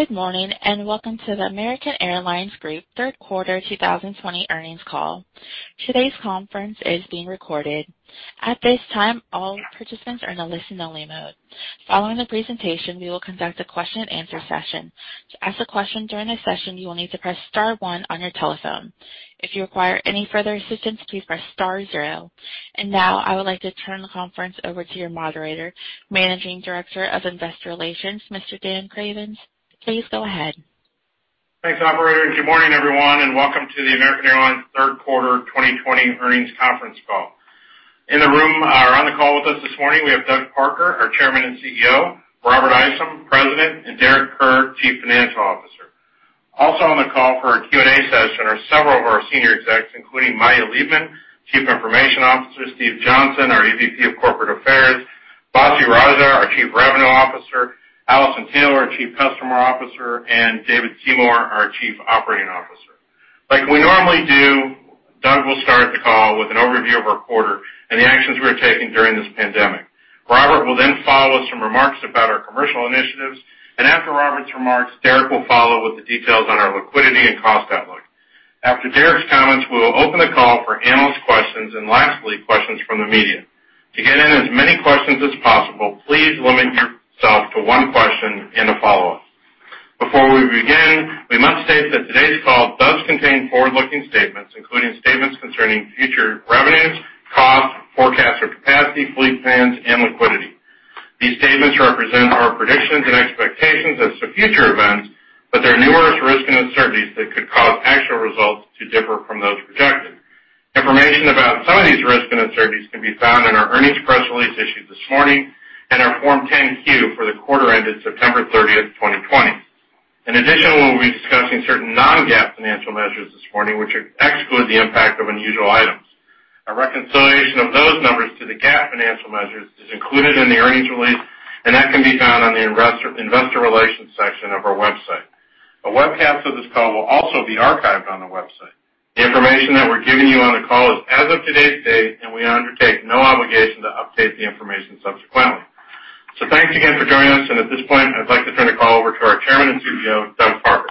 Good morning, welcome to the American Airlines Group third quarter 2020 earnings call. Today's conference is being recorded. At this time, all participants are in a listen-only mode. Following the presentation, we will conduct a question and answer session. To ask a question during this session, you will need to press star one on your telephone. If you require any further assistance, please press star zero. Now, I would like to turn the conference over to your moderator, Managing Director of Investor Relations, Mr. Dan Cravens. Please go ahead. Thanks, operator. Good morning, everyone, and welcome to the American Airlines third quarter 2020 earnings conference call. In the room or on the call with us this morning, we have Doug Parker, our Chairman and CEO. Robert Isom, President, and Derek Kerr, Chief Financial Officer. Also on the call for our Q&A session are several of our senior execs, including Maya Leibman, Chief Information Officer, Steve Johnson, our EVP of Corporate Affairs, Vasu Raja, our Chief Revenue Officer, Alison Taylor, Chief Customer Officer, and David Seymour, our Chief Operating Officer. Like we normally do, Doug will start the call with an overview of our quarter and the actions we are taking during this pandemic. Robert will then follow with some remarks about our commercial initiatives, and after Robert's remarks, Derek will follow with the details on our liquidity and cost outlook. After Derek's comments, we will open the call for analyst questions and lastly, questions from the media. To get in as many questions as possible, please limit yourself to one question and a follow-up. Before we begin, we must state that today's call does contain forward-looking statements, including statements concerning future revenues, costs, forecasts for capacity, fleet plans, and liquidity. These statements represent our predictions and expectations as to future events, there are numerous risks and uncertainties that could cause actual results to differ from those projected. Information about some of these risks and uncertainties can be found in our earnings press release issued this morning and our Form 10-Q for the quarter ended September 30th, 2020. In addition, we'll be discussing certain non-GAAP financial measures this morning, which exclude the impact of unusual items. A reconciliation of those numbers to the GAAP financial measures is included in the earnings release. That can be found on the investor relations section of our website. A webcast of this call will also be archived on the website. The information that we're giving you on the call is as of today's date. We undertake no obligation to update the information subsequently. Thanks again for joining us. At this point, I'd like to turn the call over to our Chairman and CEO, Doug Parker.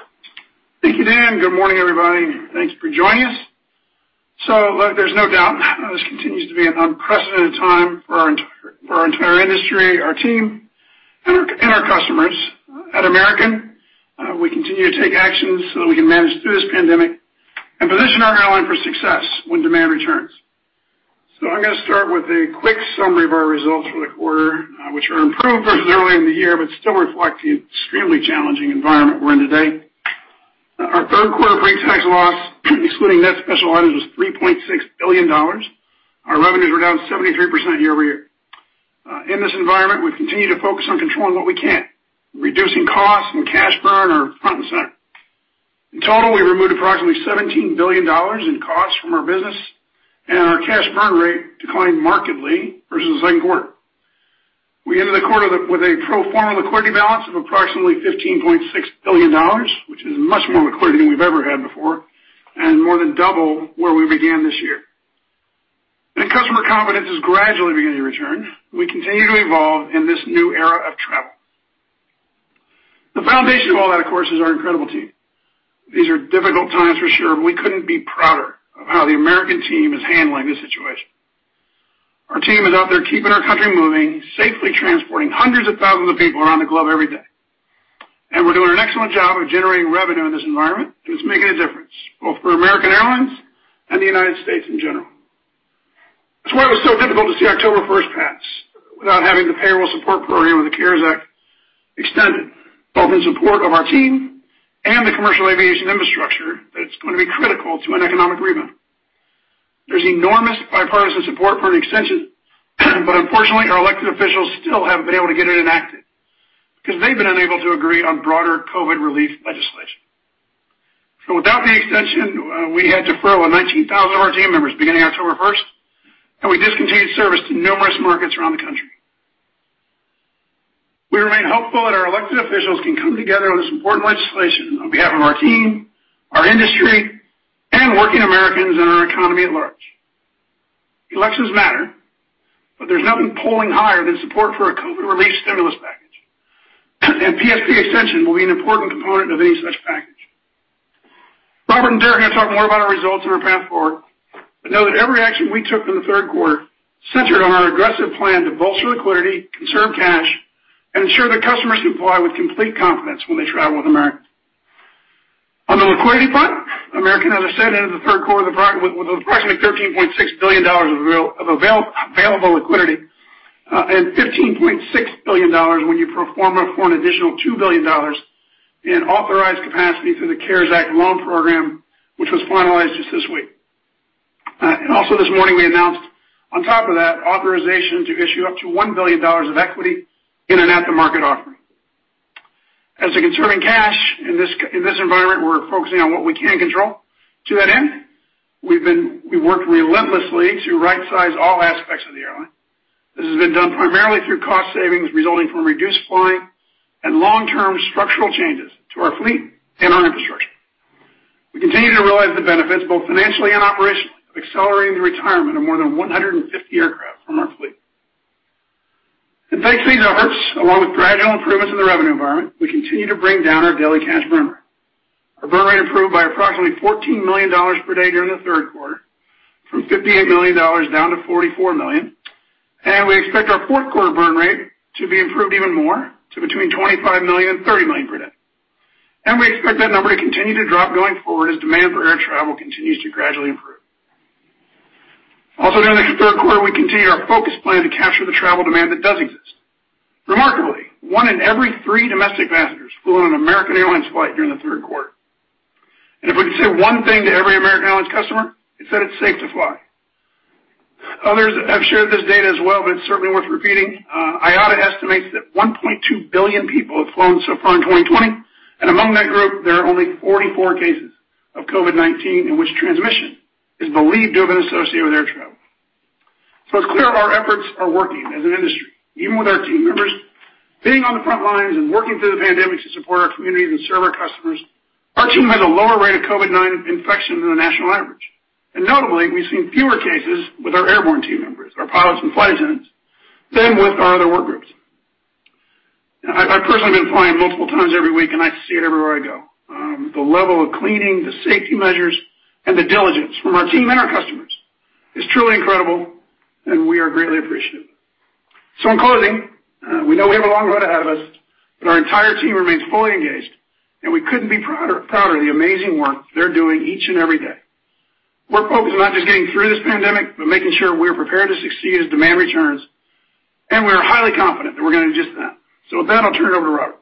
Thank you, Dan. Good morning, everybody. Thanks for joining us. Look, there's no doubt this continues to be an unprecedented time for our entire industry, our team, and our customers. At American, we continue to take actions so that we can manage through this pandemic and position our airline for success when demand returns. I'm going to start with a quick summary of our results for the quarter, which are improved versus early in the year, but still reflect the extremely challenging environment we're in today. Our third quarter pre-tax loss, excluding net special items, was $3.6 billion. Our revenues were down 73% year-over-year. In this environment, we continue to focus on controlling what we can, reducing costs and cash burn are front and center. In total, we removed approximately $17 billion in costs from our business, our cash burn rate declined markedly versus the second quarter. We ended the quarter with a pro forma liquidity balance of approximately $15.6 billion, which is much more liquidity than we've ever had before and more than double where we began this year. Customer confidence is gradually beginning to return. We continue to evolve in this new era of travel. The foundation of all that, of course, is our incredible team. These are difficult times for sure, but we couldn't be prouder of how the American team is handling this situation. Our team is out there keeping our country moving, safely transporting hundreds of thousands of people around the globe every day. We're doing an excellent job of generating revenue in this environment, and it's making a difference both for American Airlines and the U.S. in general. That's why it was so difficult to see October 1st pass without having the Payroll Support Program or the CARES Act extended, both in support of our team and the commercial aviation infrastructure that's going to be critical to an economic rebound. There's enormous bipartisan support for an extension, but unfortunately, our elected officials still haven't been able to get it enacted because they've been unable to agree on broader COVID-19 relief legislation. Without the extension, we had to furlough 19,000 of our team members beginning October 1st, and we discontinued service to numerous markets around the country. We remain hopeful that our elected officials can come together on this important legislation on behalf of our team, our industry, and working Americans and our economy at large. Elections matter, there's nothing polling higher than support for a COVID relief stimulus package, and PSP extension will be an important component of any such package. Robert and Derek are going to talk more about our results and our path forward, but know that every action we took in the third quarter centered on our aggressive plan to bolster liquidity, conserve cash, and ensure that customers can fly with complete confidence when they travel with American. On the liquidity front, American, as I said, ended the third quarter with approximately $13.6 billion of available liquidity and $15.6 billion when you pro forma for an additional $2 billion in authorized capacity through the CARES Act loan program, which was finalized just this week. Also this morning, we announced on top of that, authorization to issue up to $1 billion of equity in an at-the-market offering. As to conserving cash, in this environment, we're focusing on what we can control. To that end, we've worked relentlessly to right size all aspects of the airline. This has been done primarily through cost savings resulting from reduced flying and long-term structural changes to our fleet and our infrastructure. We continue to realize the benefits, both financially and operationally, of accelerating the retirement of more than 150 aircraft from our fleet. Thanks to these efforts, along with gradual improvements in the revenue environment, we continue to bring down our daily cash burn rate. Our burn rate improved by approximately $14 million per day during the third quarter, from $58 million down to $44 million. We expect our fourth quarter burn rate to be improved even more to between $25 million and $30 million per day. We expect that number to continue to drop going forward as demand for air travel continues to gradually improve. Also during the third quarter, we continued our focused plan to capture the travel demand that does exist. Remarkably, one in every three domestic passengers flew on an American Airlines flight during the third quarter. If we could say one thing to every American Airlines customer, it's that it's safe to fly. Others have shared this data as well, it's certainly worth repeating. IATA estimates that 1.2 billion people have flown so far in 2020, among that group, there are only 44 cases of COVID-19 in which transmission is believed to have been associated with air travel. It's clear our efforts are working as an industry, even with our team members being on the front lines and working through the pandemic to support our communities and serve our customers. Our team has a lower rate of COVID-19 infection than the national average. Notably, we've seen fewer cases with our airborne team members, our pilots and flight attendants, than with our other workgroups. I personally have been flying multiple times every week, I see it everywhere I go. The level of cleaning, the safety measures, and the diligence from our team and our customers is truly incredible, and we are greatly appreciative. In closing, we know we have a long road ahead of us, but our entire team remains fully engaged, and we couldn't be prouder of the amazing work they're doing each and every day. We're focused on not just getting through this pandemic, but making sure we are prepared to succeed as demand returns, and we are highly confident that we're going to do just that. With that, I'll turn it over to Robert.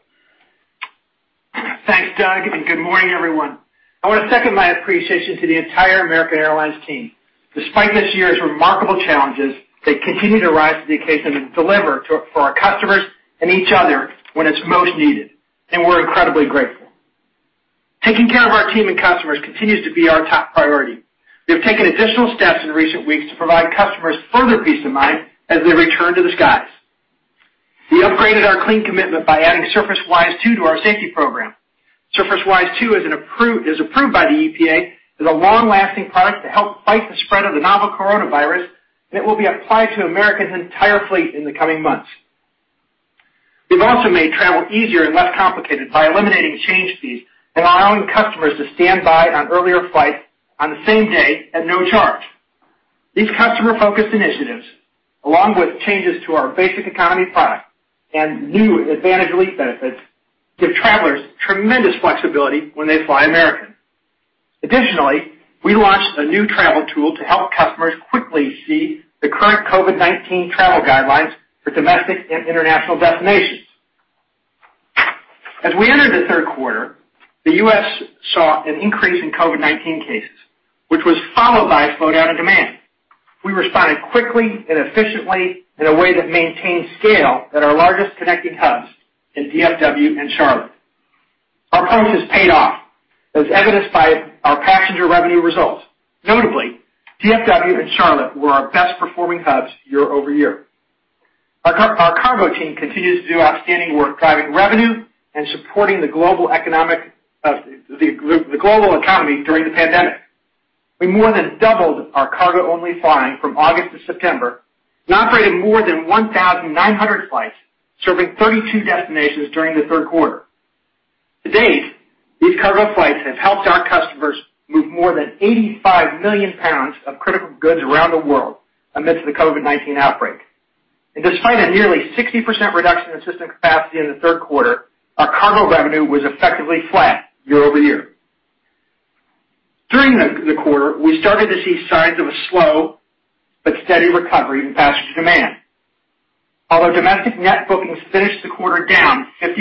Thanks, Doug. Good morning, everyone. I want to second my appreciation to the entire American Airlines team. Despite this year's remarkable challenges, they continue to rise to the occasion and deliver for our customers and each other when it's most needed. We're incredibly grateful. Taking care of our team and customers continues to be our top priority. We have taken additional steps in recent weeks to provide customers further peace of mind as they return to the skies. We upgraded our clean commitment by adding SurfaceWise2 to our safety program. SurfaceWise2 is approved by the EPA as a long-lasting product to help fight the spread of the novel coronavirus. It will be applied to American's entire fleet in the coming months. We've also made travel easier and less complicated by eliminating change fees and allowing customers to stand by on earlier flights on the same day at no charge. These customer-focused initiatives, along with changes to our Basic Economy product and new AAdvantage elite benefits, give travelers tremendous flexibility when they fly American. Additionally, we launched a new travel tool to help customers quickly see the current COVID-19 travel guidelines for domestic and international destinations. As we entered the third quarter, the U.S. saw an increase in COVID-19 cases, which was followed by a slowdown in demand. We responded quickly and efficiently in a way that maintained scale at our largest connecting hubs in DFW and Charlotte. Our approach has paid off, as evidenced by our passenger revenue results. Notably, DFW and Charlotte were our best performing hubs year-over-year. Our cargo team continues to do outstanding work driving revenue and supporting the global economy during the pandemic. We more than doubled our cargo-only flying from August to September and operated more than 1,900 flights serving 32 destinations during the third quarter. To date, these cargo flights have helped our customers move more than 85 million pounds of critical goods around the world amidst the COVID-19 outbreak. Despite a nearly 60% reduction in system capacity in the third quarter, our cargo revenue was effectively flat year-over-year. During the quarter, we started to see signs of a slow but steady recovery in passenger demand. Although domestic net bookings finished the quarter down 50%,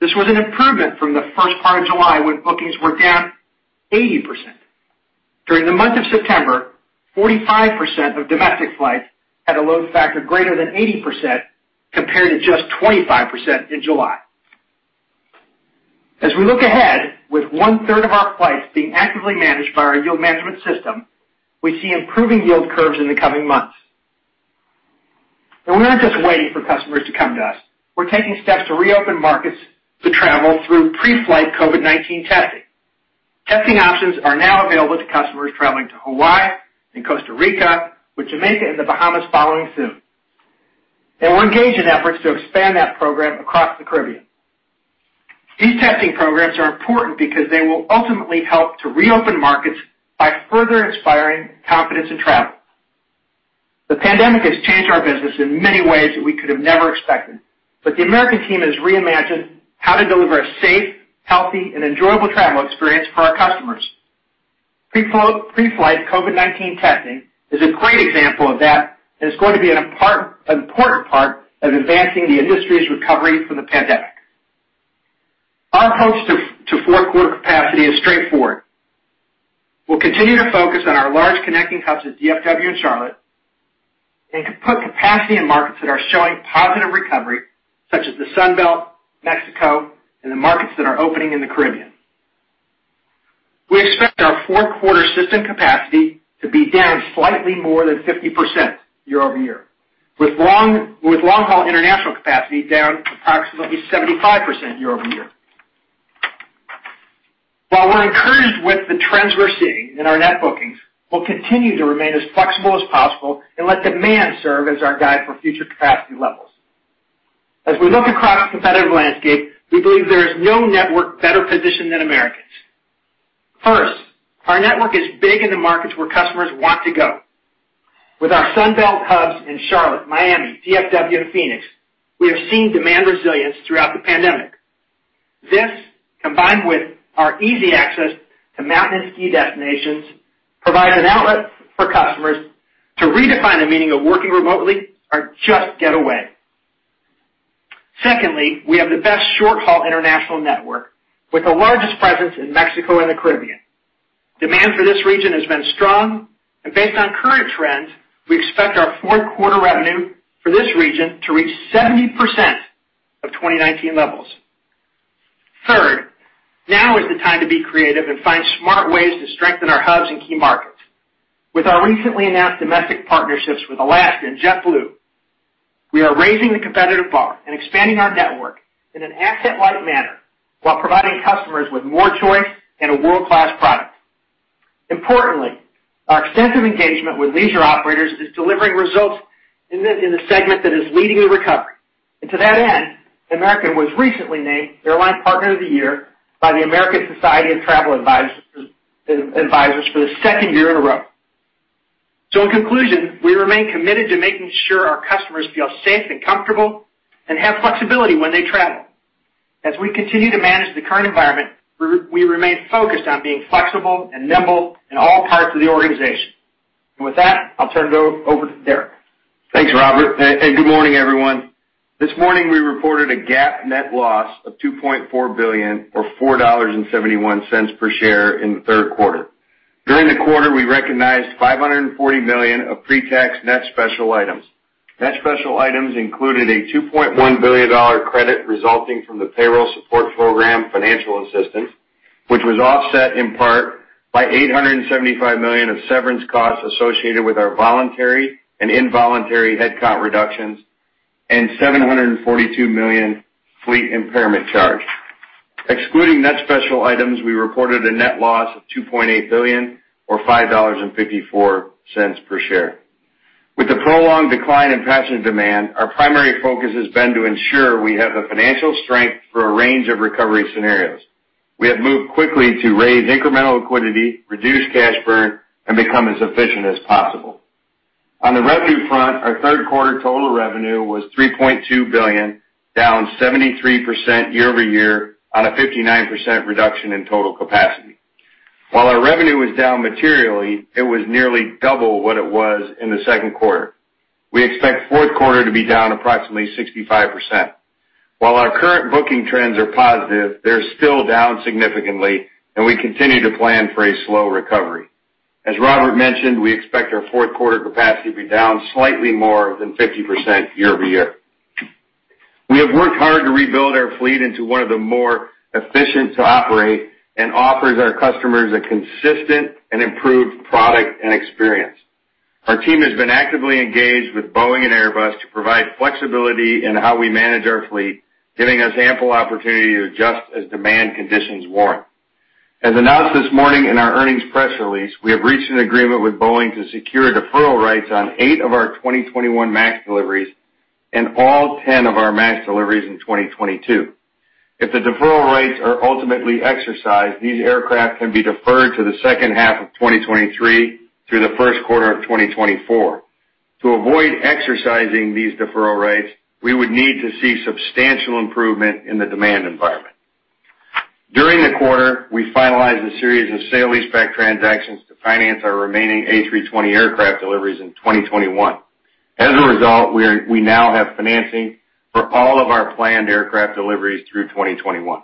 this was an improvement from the first part of July when bookings were down 80%. During the month of September, 45% of domestic flights had a load factor greater than 80%, compared to just 25% in July. As we look ahead, with one-third of our flights being actively managed by our yield management system, we see improving yield curves in the coming months. We aren't just waiting for customers to come to us. We're taking steps to reopen markets to travel through pre-flight COVID-19 testing. Testing options are now available to customers traveling to Hawaii and Costa Rica, with Jamaica and the Bahamas following soon. We're engaged in efforts to expand that program across the Caribbean. These testing programs are important because they will ultimately help to reopen markets by further inspiring confidence in travel. The pandemic has changed our business in many ways that we could have never expected, but the American team has reimagined how to deliver a safe, healthy, and enjoyable travel experience for our customers. Pre-flight COVID-19 testing is a great example of that and is going to be an important part of advancing the industry's recovery from the pandemic. Our approach to fourth quarter capacity is straightforward. We'll continue to focus on our large connecting hubs at DFW and Charlotte and put capacity in markets that are showing positive recovery, such as the Sun Belt, Mexico, and the markets that are opening in the Caribbean. We expect our fourth quarter system capacity to be down slightly more than 50% year-over-year, with long-haul international capacity down approximately 75% year-over-year. While we're encouraged with the trends we're seeing in our net bookings, we'll continue to remain as flexible as possible and let demand serve as our guide for future capacity levels. As we look across the competitive landscape, we believe there is no network better positioned than American's. First, our network is big in the markets where customers want to go. With our Sun Belt hubs in Charlotte, Miami, DFW, and Phoenix, we have seen demand resilience throughout the pandemic. This, combined with our easy access to mountain and ski destinations, provide an outlet for customers to redefine the meaning of working remotely or just get away. Secondly, we have the best short-haul international network, with the largest presence in Mexico and the Caribbean. Demand for this region has been strong. Based on current trends, we expect our fourth quarter revenue for this region to reach 70% of 2019 levels. Third, now is the time to be creative and find smart ways to strengthen our hubs in key markets. With our recently announced domestic partnerships with Alaska and JetBlue, we are raising the competitive bar and expanding our network in an asset-light manner while providing customers with more choice and a world-class product. Importantly, our extensive engagement with leisure operators is delivering results in the segment that is leading a recovery. To that end, American was recently named Airline Partner of the Year by the American Society of Travel Advisors for the second year in a row. In conclusion, we remain committed to making sure our customers feel safe and comfortable and have flexibility when they travel. As we continue to manage the current environment, we remain focused on being flexible and nimble in all parts of the organization. With that, I'll turn it over to Derek. Thanks, Robert, and good morning, everyone. This morning, we reported a GAAP net loss of $2.4 billion or $4.71 per share in the third quarter. During the quarter, we recognized $540 million of pre-tax net special items. Net special items included a $2.1 billion credit resulting from the Payroll Support Program financial assistance, which was offset in part by $875 million of severance costs associated with our voluntary and involuntary headcount reductions and $742 million fleet impairment charge. Excluding net special items, we reported a net loss of $2.8 billion or $5.54 per share. With the prolonged decline in passenger demand, our primary focus has been to ensure we have the financial strength for a range of recovery scenarios. We have moved quickly to raise incremental liquidity, reduce cash burn, and become as efficient as possible. On the revenue front, our third quarter total revenue was $3.2 billion, down 73% year-over-year on a 59% reduction in total capacity. While our revenue was down materially, it was nearly double what it was in the second quarter. We expect fourth quarter to be down approximately 65%. While our current booking trends are positive, they're still down significantly, and we continue to plan for a slow recovery. As Robert mentioned, we expect our fourth quarter capacity to be down slightly more than 50% year-over-year. We have worked hard to rebuild our fleet into one of the more efficient to operate and offers our customers a consistent and improved product and experience. Our team has been actively engaged with Boeing and Airbus to provide flexibility in how we manage our fleet, giving us ample opportunity to adjust as demand conditions warrant. As announced this morning in our earnings press release, we have reached an agreement with Boeing to secure deferral rights on eight of our 2021 MAX deliveries and all 10 of our MAX deliveries in 2022. If the deferral rights are ultimately exercised, these aircraft can be deferred to the second half of 2023 through the first quarter of 2024. To avoid exercising these deferral rights, we would need to see substantial improvement in the demand environment. During the quarter, we finalized a series of sale leaseback transactions to finance our remaining A320 aircraft deliveries in 2021. As a result, we now have financing for all of our planned aircraft deliveries through 2021.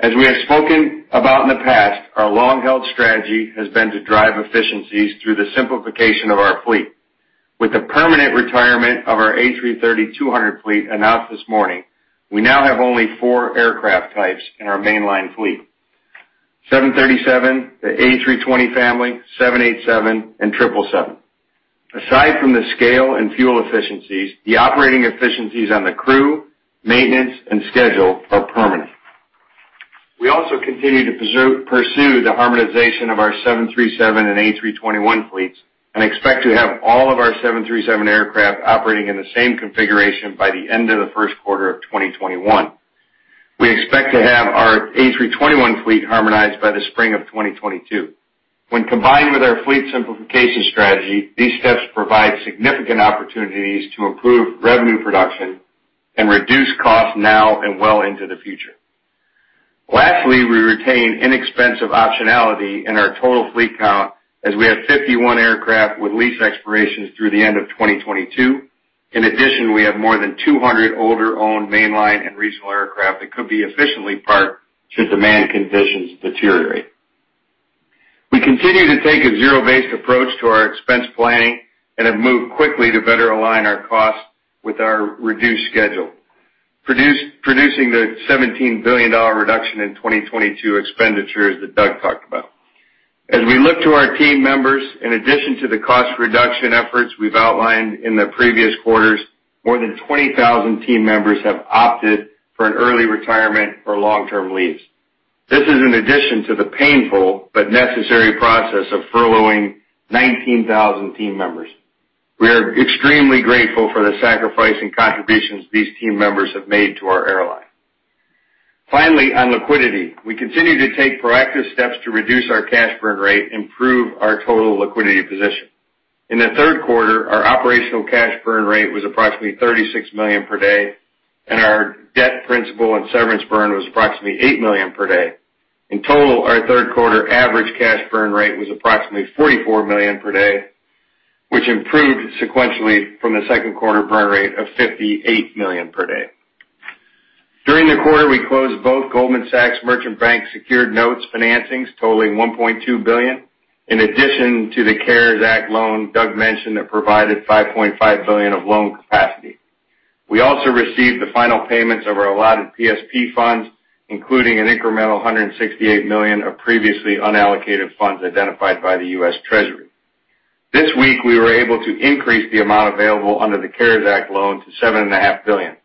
As we have spoken about in the past, our long-held strategy has been to drive efficiencies through the simplification of our fleet. With the permanent retirement of our A330-200 fleet announced this morning, we now have only four aircraft types in our mainline fleet: 737, the A320 family, 787, and 777. Aside from the scale and fuel efficiencies, the operating efficiencies on the crew, maintenance, and schedule are permanent. We also continue to pursue the harmonization of our 737 and A321 fleets and expect to have all of our 737 aircraft operating in the same configuration by the end of the first quarter of 2021. We expect to have our A321 fleet harmonized by the spring of 2022. When combined with our fleet simplification strategy, these steps provide significant opportunities to improve revenue production and reduce costs now and well into the future. Lastly, we retain inexpensive optionality in our total fleet count as we have 51 aircraft with lease expirations through the end of 2022. In addition, we have more than 200 older owned mainline and regional aircraft that could be efficiently parked should demand conditions deteriorate. We continue to take a zero-based approach to our expense planning and have moved quickly to better align our costs with our reduced schedule, producing the $17 billion reduction in 2022 expenditures that Doug talked about. As we look to our team members, in addition to the cost reduction efforts we've outlined in the previous quarters, more than 20,000 team members have opted for an early retirement or long-term leaves. This is in addition to the painful but necessary process of furloughing 19,000 team members. We are extremely grateful for the sacrifice and contributions these team members have made to our airline. Finally, on liquidity, we continue to take proactive steps to reduce our cash burn rate, improve our total liquidity position. In the third quarter, our operational cash burn rate was approximately $36 million per day, and our debt principal and severance burn was approximately $8 million per day. In total, our third quarter average cash burn rate was approximately $44 million per day, which improved sequentially from the second quarter burn rate of $58 million per day. During the quarter, we closed both Goldman Sachs Merchant Bank secured notes financings totaling $1.2 billion, in addition to the CARES Act loan Doug mentioned that provided $5.5 billion of loan capacity. We also received the final payments of our allotted PSP funds, including an incremental $168 million of previously unallocated funds identified by the U.S. Treasury. This week, we were able to increase the amount available under the CARES Act loan to $7.5 billion.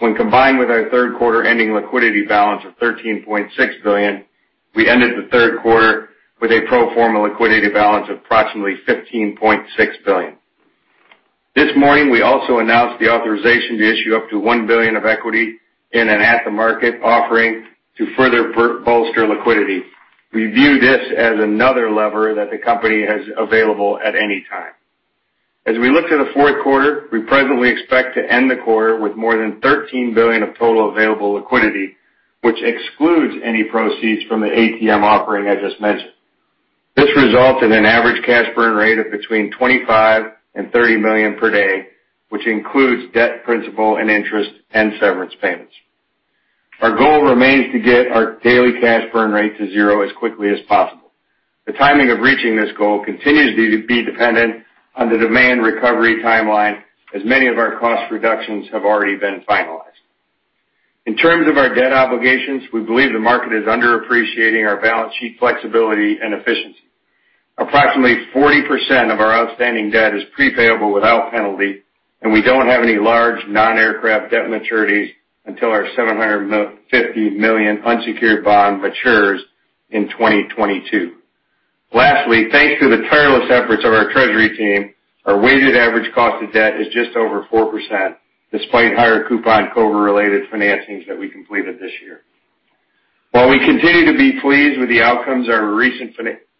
When combined with our third quarter ending liquidity balance of $13.6 billion, we ended the third quarter with a pro forma liquidity balance of approximately $15.6 billion. This morning, we also announced the authorization to issue up to $1 billion of equity in an at-the-market offering to further bolster liquidity. We view this as another lever that the company has available at any time. As we look to the fourth quarter, we presently expect to end the quarter with more than $13 billion of total available liquidity, which excludes any proceeds from the ATM offering I just mentioned. This results in an average cash burn rate of between $25 million and $30 million per day, which includes debt principal and interest, and severance payments. Our goal remains to get our daily cash burn rate to zero as quickly as possible. The timing of reaching this goal continues to be dependent on the demand recovery timeline, as many of our cost reductions have already been finalized. In terms of our debt obligations, we believe the market is underappreciating our balance sheet flexibility and efficiency. Approximately 40% of our outstanding debt is pre-payable without penalty, and we don't have any large non-aircraft debt maturities until our $750 million unsecured bond matures in 2022. Lastly, thanks to the tireless efforts of our treasury team, our weighted average cost of debt is just over 4%, despite higher coupon COVID-19-related financings that we completed this year. While we continue to be pleased with the outcomes of our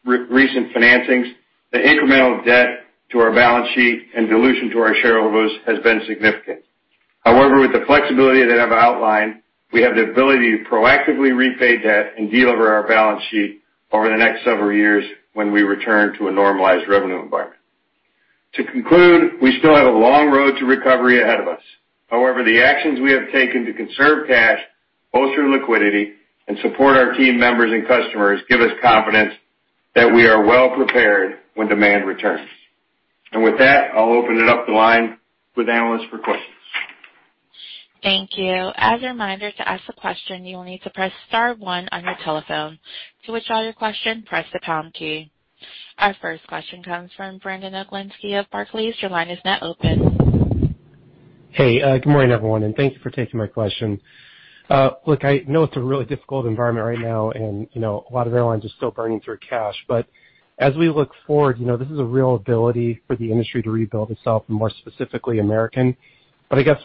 recent financings, the incremental debt to our balance sheet and dilution to our shareholders has been significant. However, with the flexibility that I've outlined, we have the ability to proactively repay debt and delever our balance sheet over the next several years when we return to a normalized revenue environment. To conclude, we still have a long road to recovery ahead of us. However, the actions we have taken to conserve cash, bolster liquidity, and support our team members and customers give us confidence that we are well prepared when demand returns. With that, I'll open it up the line with analysts for questions. Thank you. As a reminder, to ask a question you will need to press star one on your telephone. To withdraw your question, press the pound key. Our first question comes from Brandon Oglenski of Barclays. Hey, good morning, everyone, and thank you for taking my question. Look, I know it's a really difficult environment right now, and a lot of airlines are still burning through cash, but as we look forward, this is a real ability for the industry to rebuild itself and more specifically, American. I guess,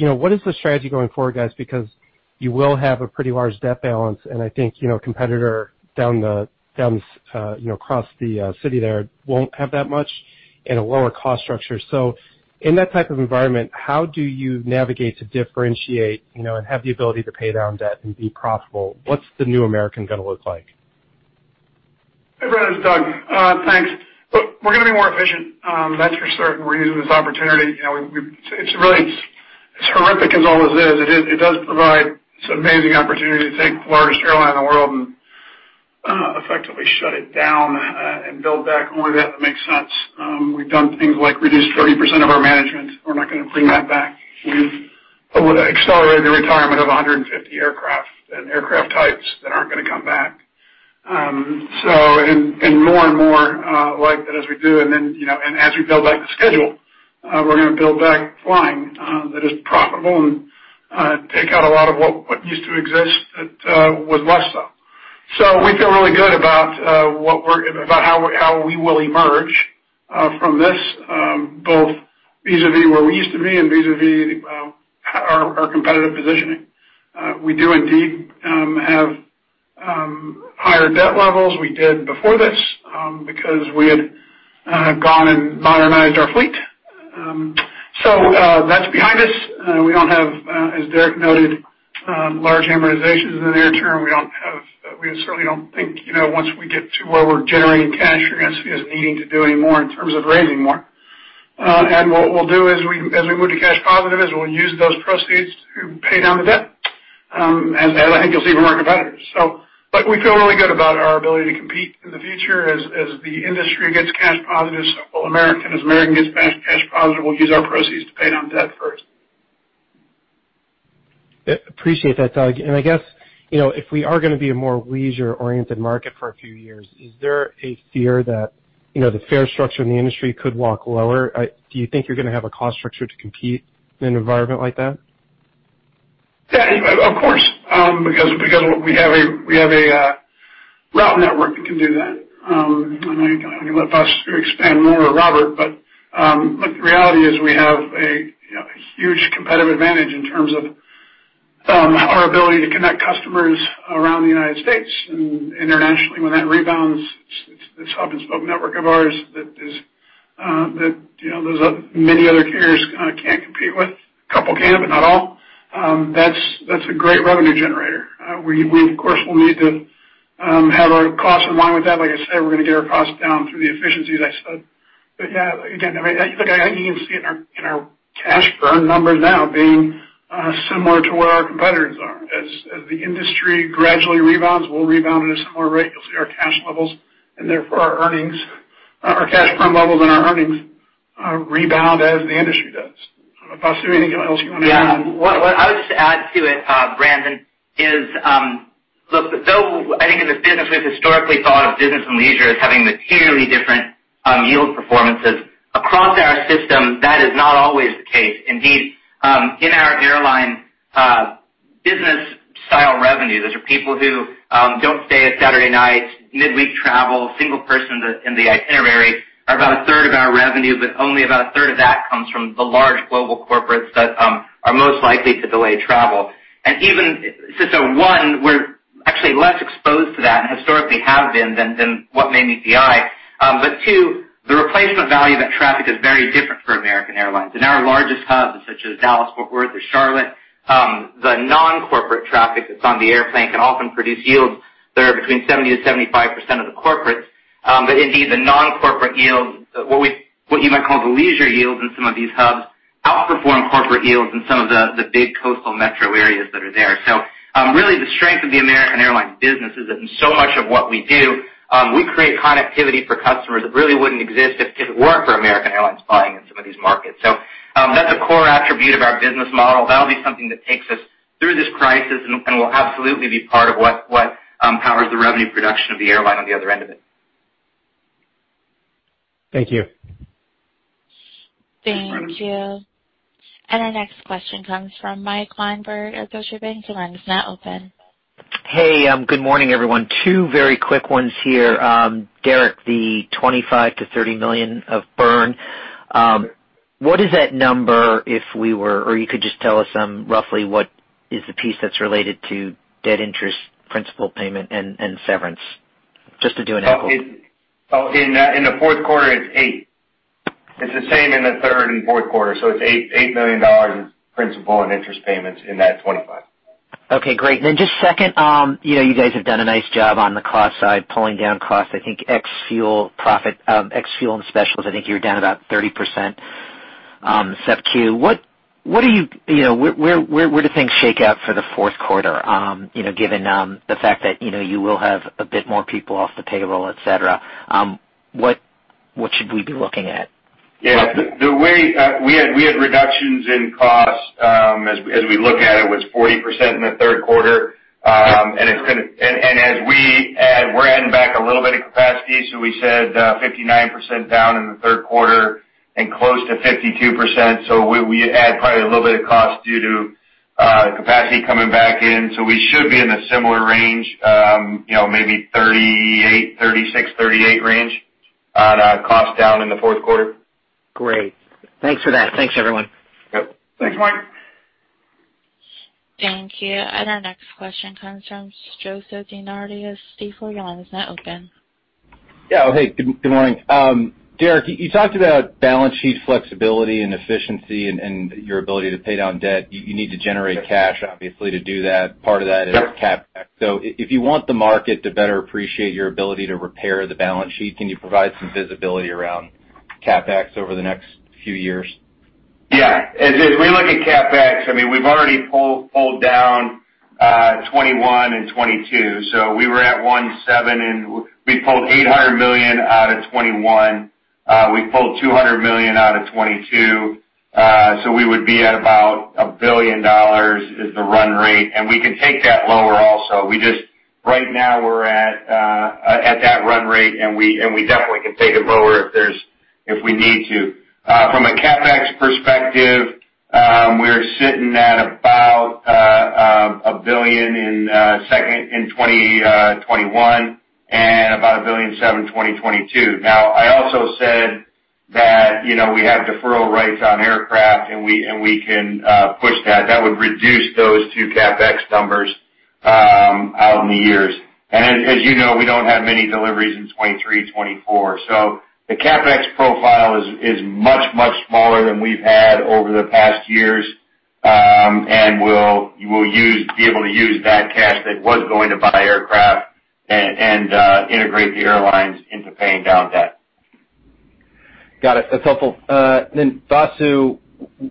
what is the strategy going forward, guys, because you will have a pretty large debt balance, and I think a competitor down across the city there won't have that much and a lower cost structure. In that type of environment, how do you navigate to differentiate and have the ability to pay down debt and be profitable? What's the new American going to look like? Hey, Brandon, it's Doug. Thanks. Look, we're going to be more efficient, that's for certain. We're using this opportunity. As horrific as all this is, it does provide this amazing opportunity to take the largest airline in the world and effectively shut it down and build back only that that makes sense. We've done things like reduced 30% of our management. We're not going to bring that back. We've accelerated the retirement of 150 aircraft and aircraft types that aren't going to come back. More and more like that as we do, and as we build back the schedule, we're going to build back flying that is profitable and take out a lot of what used to exist that was less so. We feel really good about how we will emerge from this, both vis-à-vis where we used to be and vis-à-vis our competitive positioning. We do indeed have higher debt levels. We did before this because we had gone and modernized our fleet. That's behind us. We don't have, as Derek noted, large amortizations in the near term. We certainly don't think once we get to where we're generating cash, we're going to see us needing to do any more in terms of raising more. What we'll do as we move to cash positive is we'll use those proceeds to pay down the debt, as I think you'll see from our competitors. We feel really good about our ability to compete in the future as the industry gets cash positive. Will American. As American gets back to cash positive, we'll use our proceeds to pay down debt first. Appreciate that, Doug. I guess, if we are going to be a more leisure-oriented market for a few years, is there a fear that the fare structure in the industry could walk lower? Do you think you're going to have a cost structure to compete in an environment like that? Yeah, of course, because we have a route network that can do that. I'm going to let Vasu expand more or Robert, but the reality is we have a huge competitive advantage in terms of our ability to connect customers around the United States and internationally when that rebounds. This hub-and-spoke network of ours that many other carriers can't compete with. A couple can, but not all. That's a great revenue generator. We, of course, will need to have our costs in line with that. Like I said, we're going to get our costs down through the efficiencies I said. Yeah, again, I think you can see it in our cash burn numbers now being similar to where our competitors are. As the industry gradually rebounds, we'll rebound at a similar rate. You'll see our cash burn levels and our earnings rebound as the industry does. Vasu, anything else you want to add? Yeah. What I would just add to it, Brandon, is though I think in this business, we've historically thought of business and leisure as having materially different yield performances. Across our system, that is not always the case. Indeed, in our airline business style revenues, those are people who don't stay a Saturday night, midweek travel, single person in the itinerary, are about a third of our revenue, but only about a third of that comes from the large global corporates that are most likely to delay travel. Even, so one, we're actually less exposed to that and historically have been than what many PI. Two, the replacement value of that traffic is very different for American Airlines. In our largest hubs, such as Dallas, Fort Worth, or Charlotte, the non-corporate traffic that's on the airplane can often produce yields that are between 70%-75% of the corporates. Indeed, the non-corporate yields, what you might call the leisure yields in some of these hubs, outperform corporate yields in some of the big coastal metro areas that are there. Really the strength of the American Airlines business is that in so much of what we do, we create connectivity for customers that really wouldn't exist if it weren't for American Airlines flying in some of these markets. That's a core attribute of our business model. That'll be something that takes us through this crisis and will absolutely be part of what powers the revenue production of the airline on the other end of it. Thank you. Thank you. Our next question comes from Mike Linenberg at Deutsche Bank. Your line is now open. Hey, good morning, everyone. Two very quick ones here. Derek, the $25 million-$30 million of burn, what is that number, or you could just tell us roughly what is the piece that's related to debt interest, principal payment, and severance? Just to do an apple. In the fourth quarter, it's eight. It's the same in the third and fourth quarter. It's $8 million in principal and interest payments in that $25 million. Okay, great. Then just second, you guys have done a nice job on the cost side, pulling down cost, I think ex-fuel and specials, I think you were down about 30% in Sep Q. Where do things shake out for the fourth quarter, given the fact that you will have a bit more people off the payroll, et cetera? What should we be looking at? Yeah. We had reductions in costs, as we look at it, was 40% in the third quarter. We're adding back a little bit of capacity. We said 59% down in the third quarter and close to 52%. We add probably a little bit of cost due to capacity coming back in. We should be in a similar range, maybe 36%-38% range on our cost down in the fourth quarter. Great. Thanks for that. Thanks, everyone. Yep. Thanks, Mike. Thank you. Our next question comes from Joseph DeNardi at Stifel. Your line is now open. Yeah. Hey, good morning. Derek, you talked about balance sheet flexibility and efficiency and your ability to pay down debt. You need to generate cash, obviously, to do that. Part of that is CapEx. If you want the market to better appreciate your ability to repair the balance sheet, can you provide some visibility around CapEx over the next few years? Yeah. As we look at CapEx, we've already pulled down 2021 and 2022. We were at $1.7 billion, and we pulled $800 million out of 2021. We pulled $200 million out of 2022. We would be at about $1 billion is the run rate. Right now we're at that run rate, and we definitely can take it lower if we need to. From a CapEx perspective, we're sitting at about $1 billion in 2021 and about $1.7 billion 2022. Now, I also said that we have deferral rights on aircraft, and we can push that. That would reduce those two CapEx numbers out in the years. As you know, we don't have many deliveries in 2023, 2024. The CapEx profile is much smaller than we've had over the past years. We'll be able to use that cash that was going to buy aircraft and integrate the airlines into paying down debt. Got it. That's helpful. Vasu,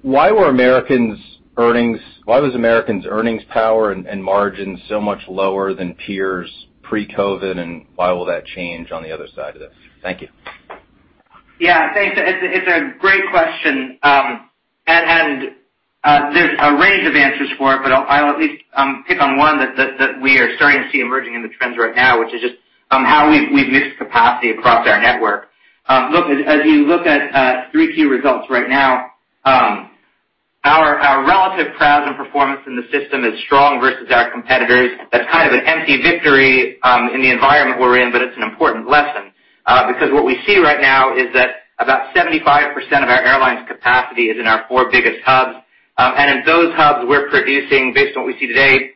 why was American's earnings power and margin so much lower than peers pre-COVID, and why will that change on the other side of this? Thank you. Yeah, thanks. It's a great question. There's a range of answers for it, but I'll at least pick on one that we are starting to see emerging in the trends right now, which is just how we've mixed capacity across our network. Look, as you look at three key results right now, our relative PRASM performance in the system is strong versus our competitors. That's kind of an empty victory in the environment we're in, but it's an important lesson. What we see right now is that about 75% of our airline's capacity is in our four biggest hubs. In those hubs, we're producing, based on what we see today,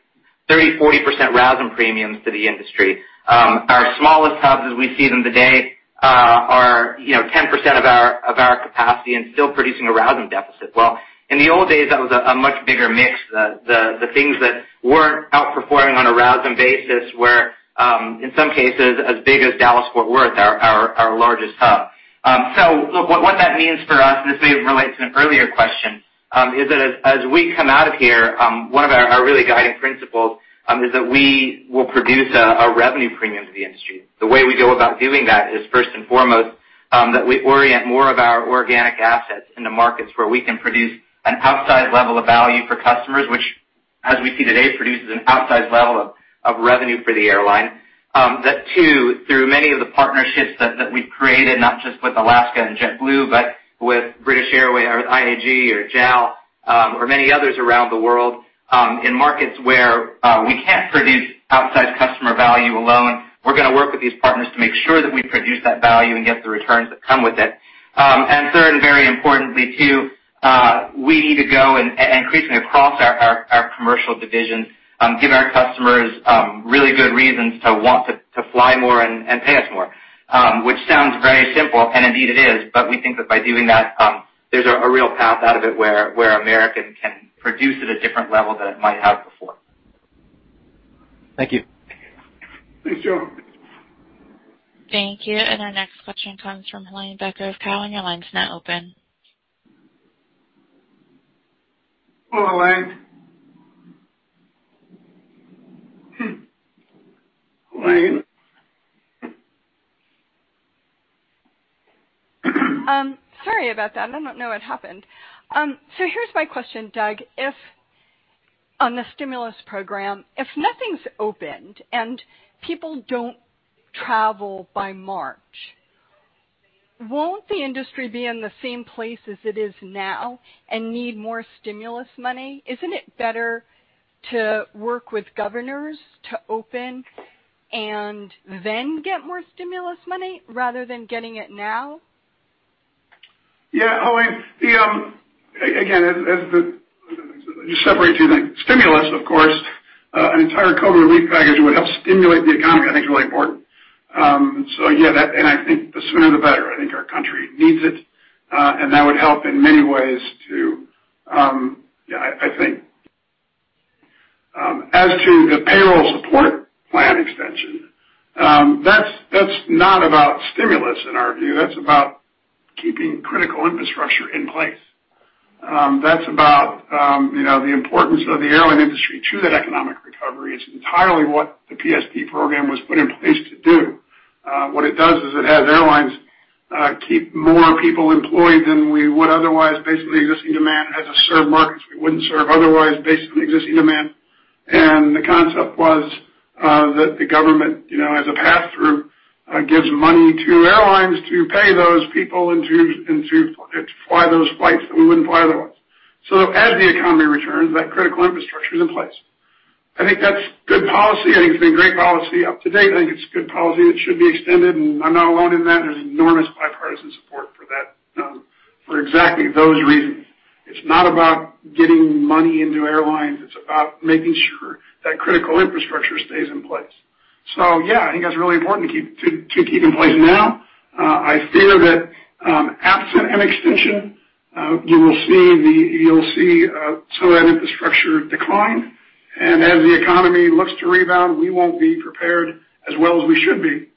30%, 40% RASM premiums to the industry. Our smallest hubs, as we see them today, are 10% of our capacity and still producing a RASM deficit. Well, in the old days, that was a much bigger mix. The things that weren't outperforming on a RASM basis were, in some cases, as big as Dallas Fort Worth, our largest hub. Look, what that means for us, and this may relate to an earlier question, is that as we come out of here, one of our really guiding principles is that we will produce a revenue premium to the industry. The way we go about doing that is, first and foremost, that we orient more of our organic assets in the markets where we can produce an outsized level of value for customers, which, as we see today, produces an outsized level of revenue for the airline. That two, through many of the partnerships that we've created, not just with Alaska and JetBlue, but with British Airways or IAG or JAL or many others around the world, in markets where we can't produce outsized customer value alone, we're going to work with these partners to make sure that we produce that value and get the returns that come with it. Third and very importantly, too, we need to go and increasingly across our commercial division, give our customers really good reasons to want to fly more and pay us more. Which sounds very simple, and indeed it is, but we think that by doing that, there's a real path out of it where American can produce at a different level than it might have before. Thank you. Thanks, Joe. Thank you. Our next question comes from Helane Becker of Cowen. Your line is now open. Hello, Helane. Helane? Sorry about that. I don't know what happened. Here's my question, Doug. On the stimulus program, if nothing's opened and people don't travel by March, won't the industry be in the same place as it is now and need more stimulus money? Isn't it better to work with governors to open and then get more stimulus money rather than getting it now? Yeah, Helane, again, let me just separate two things. Stimulus, of course, an entire COVID-19 relief package would help stimulate the economy. I think it's really important. Yeah, and I think the sooner, the better. I think our country needs it. That would help in many ways, too. Yeah, I think. As to the Payroll Support Program extension, that's not about stimulus in our view. That's about keeping critical infrastructure in place. That's about the importance of the airline industry to that economic recovery. It's entirely what the PSP program was put in place to do. What it does is it has airlines keep more people employed than we would otherwise, based on existing demand, has us serve markets we wouldn't serve otherwise, based on existing demand. The concept was that the government, as a pass-through, gives money to airlines to pay those people and to fly those flights that we wouldn't fly otherwise. As the economy returns, that critical infrastructure is in place. I think that's good policy. I think it's been great policy up to date. I think it's good policy that should be extended, and I'm not alone in that. There's enormous bipartisan support for that for exactly those reasons. It's not about getting money into airlines. It's about making sure that critical infrastructure stays in place. Yeah, I think that's really important to keep in place now. I fear that absent an extension, you will see some of that infrastructure decline, and as the economy looks to rebound, we won't be prepared as well as we should be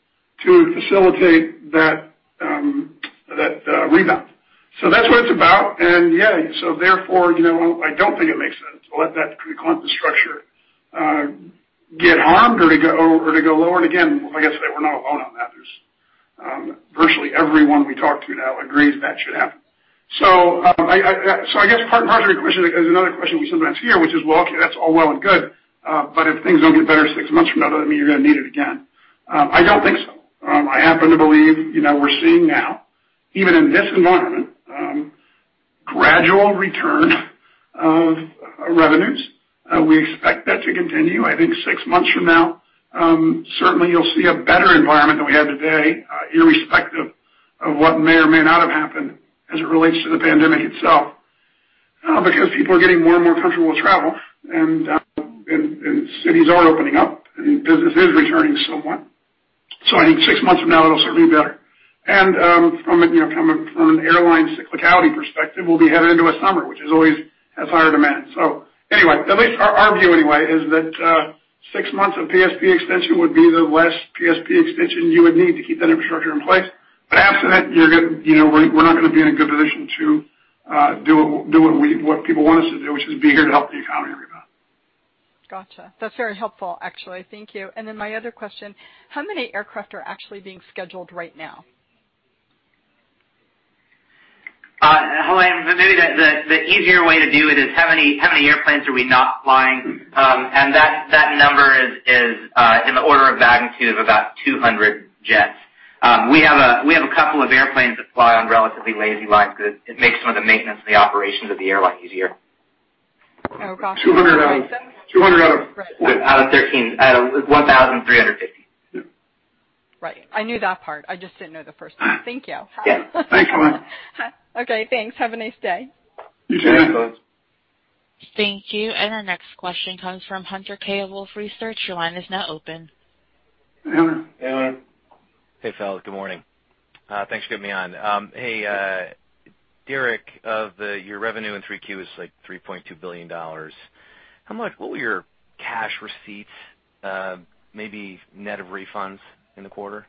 to facilitate that rebound. That's what it's about, and yeah, so therefore, I don't think it makes sense to let that critical infrastructure get harmed or to go lowered again. Like I say, we're not alone on that. Virtually everyone we talk to now agrees that should happen. I guess part and parcel of your question is another question we sometimes hear, which is, "Well, okay, that's all well and good, but if things don't get better six months from now, does that mean you're going to need it again?" I don't think so. I happen to believe we're seeing now, even in this environment, gradual return of revenues. We expect that to continue. I think six months from now, certainly you'll see a better environment than we have today, irrespective of what may or may not have happened as it relates to the pandemic itself. People are getting more and more comfortable with travel, and cities are opening up, and business is returning somewhat. I think six months from now, it'll certainly be better. From an airline cyclicality perspective, we'll be headed into a summer, which always has higher demand. Anyway, at least our view anyway is that six months of PSP extension would be the least PSP extension you would need to keep that infrastructure in place. Absent that, we're not going to be in a good position to do what people want us to do, which is be here to help the economy rebound. Got you. That's very helpful, actually. Thank you. My other question, how many aircraft are actually being scheduled right now? Helane, maybe the easier way to do it is how many airplanes are we not flying? That number is in the order of magnitude of about 200 jets. We have a couple of airplanes that fly on relatively lazy lines that it makes some of the maintenance and the operations of the airline easier. Oh, got you. 200 out of- Out of 1,350. Right. I knew that part. I just didn't know the first part. Thank you. Yeah. Thanks, Helane. Okay, thanks. Have a nice day. You too. Yeah, thanks. Thank you. Our next question comes from Hunter Keay of Wolfe Research. Your line is now open. Hunter. Hey, fellas. Good morning. Thanks for getting me on. Hey, Derek, your revenue in 3Q was like $3.2 billion. How much were your cash receipts, maybe net of refunds in the quarter?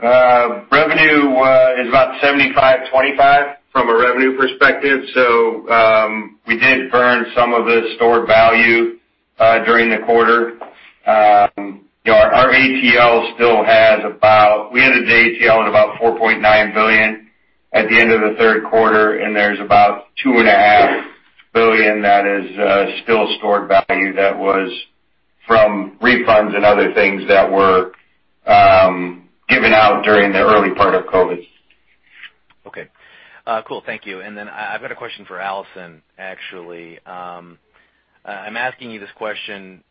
Revenue is about 75/25 from a revenue perspective. We did burn some of the stored value during the quarter. We had an ATL at about $4.9 billion at the end of the third quarter, and there's about $2.5 billion that is still stored value that was from refunds and other things that were given out during the early part of COVID. Okay. Cool. Thank you. I've got a question for Alison, actually. I'm asking you this question,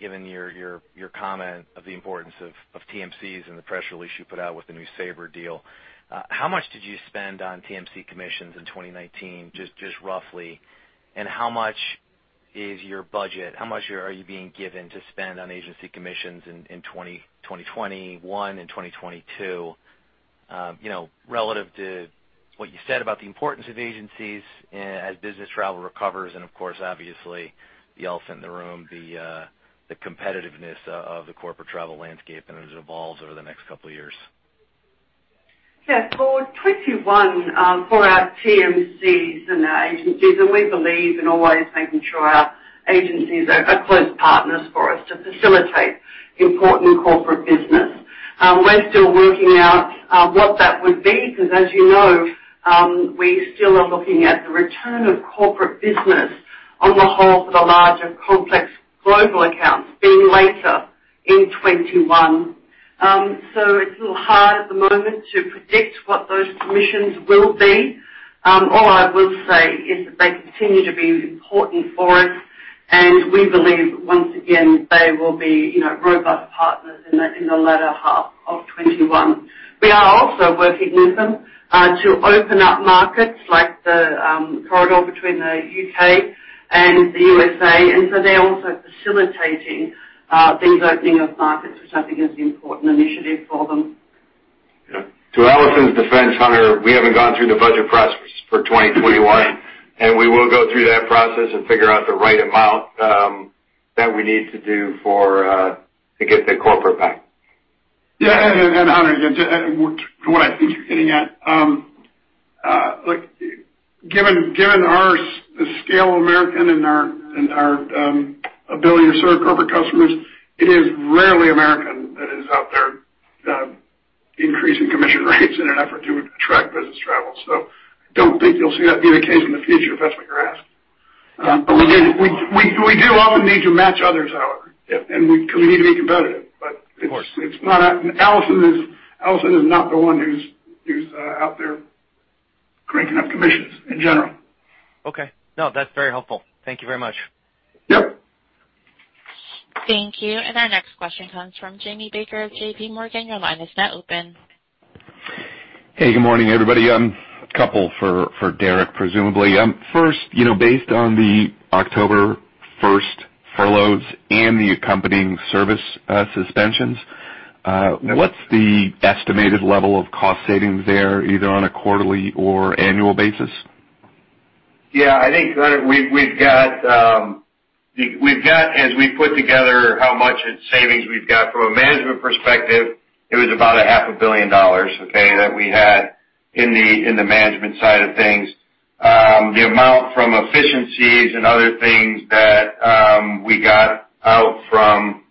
given your comment of the importance of TMCs and the press release you put out with the new Sabre deal. How much did you spend on TMC commissions in 2019, just roughly? How much is your budget? How much are you being given to spend on agency commissions in 2021 and 2022, relative to what you said about the importance of agencies as business travel recovers and of course, obviously, the elephant in the room, the competitiveness of the corporate travel landscape and as it evolves over the next couple of years? For 2021, for our TMCs and our agencies, we believe in always making sure our agencies are close partners for us to facilitate important corporate business. We're still working out what that would be, because as you know, we still are looking at the return of corporate business on the whole for the larger, complex global accounts being later in 2021. It's a little hard at the moment to predict what those commissions will be. All I will say is that they continue to be important for us, and we believe once again, they will be robust partners in the latter half of 2021. We are also working with them to open up markets like the corridor between the U.K. and the U.S.A. They're also facilitating these opening of markets, which I think is an important initiative for them. Yeah. To Alison's defense, Hunter, we haven't gone through the budget process for 2021, and we will go through that process and figure out the right amount that we need to do to get the corporate back. Hunter, again, to what I think you're getting at, given our scale of American and our ability to serve corporate customers, it is rarely American that is out there increasing commission rates in an effort to attract business travel. I don't think you'll see that be the case in the future, if that's what you're asking. Again, we do often need to match others, however. Yeah. We need to be competitive. Of course. Alison is not the one who's out there cranking up commissions in general. Okay. No, that's very helpful. Thank you very much. Yep. Thank you. Our next question comes from Jamie Baker of JPMorgan. Your line is now open. Hey, good morning, everybody. A couple for Derek, presumably. First, based on the October 1st furloughs and the accompanying service suspensions, what's the estimated level of cost savings there, either on a quarterly or annual basis? Yeah, I think, Hunter, as we put together how much in savings we've got from a management perspective, it was about a half a billion dollars, okay, that we had in the management side of things. The amount from efficiencies and other things that we got out from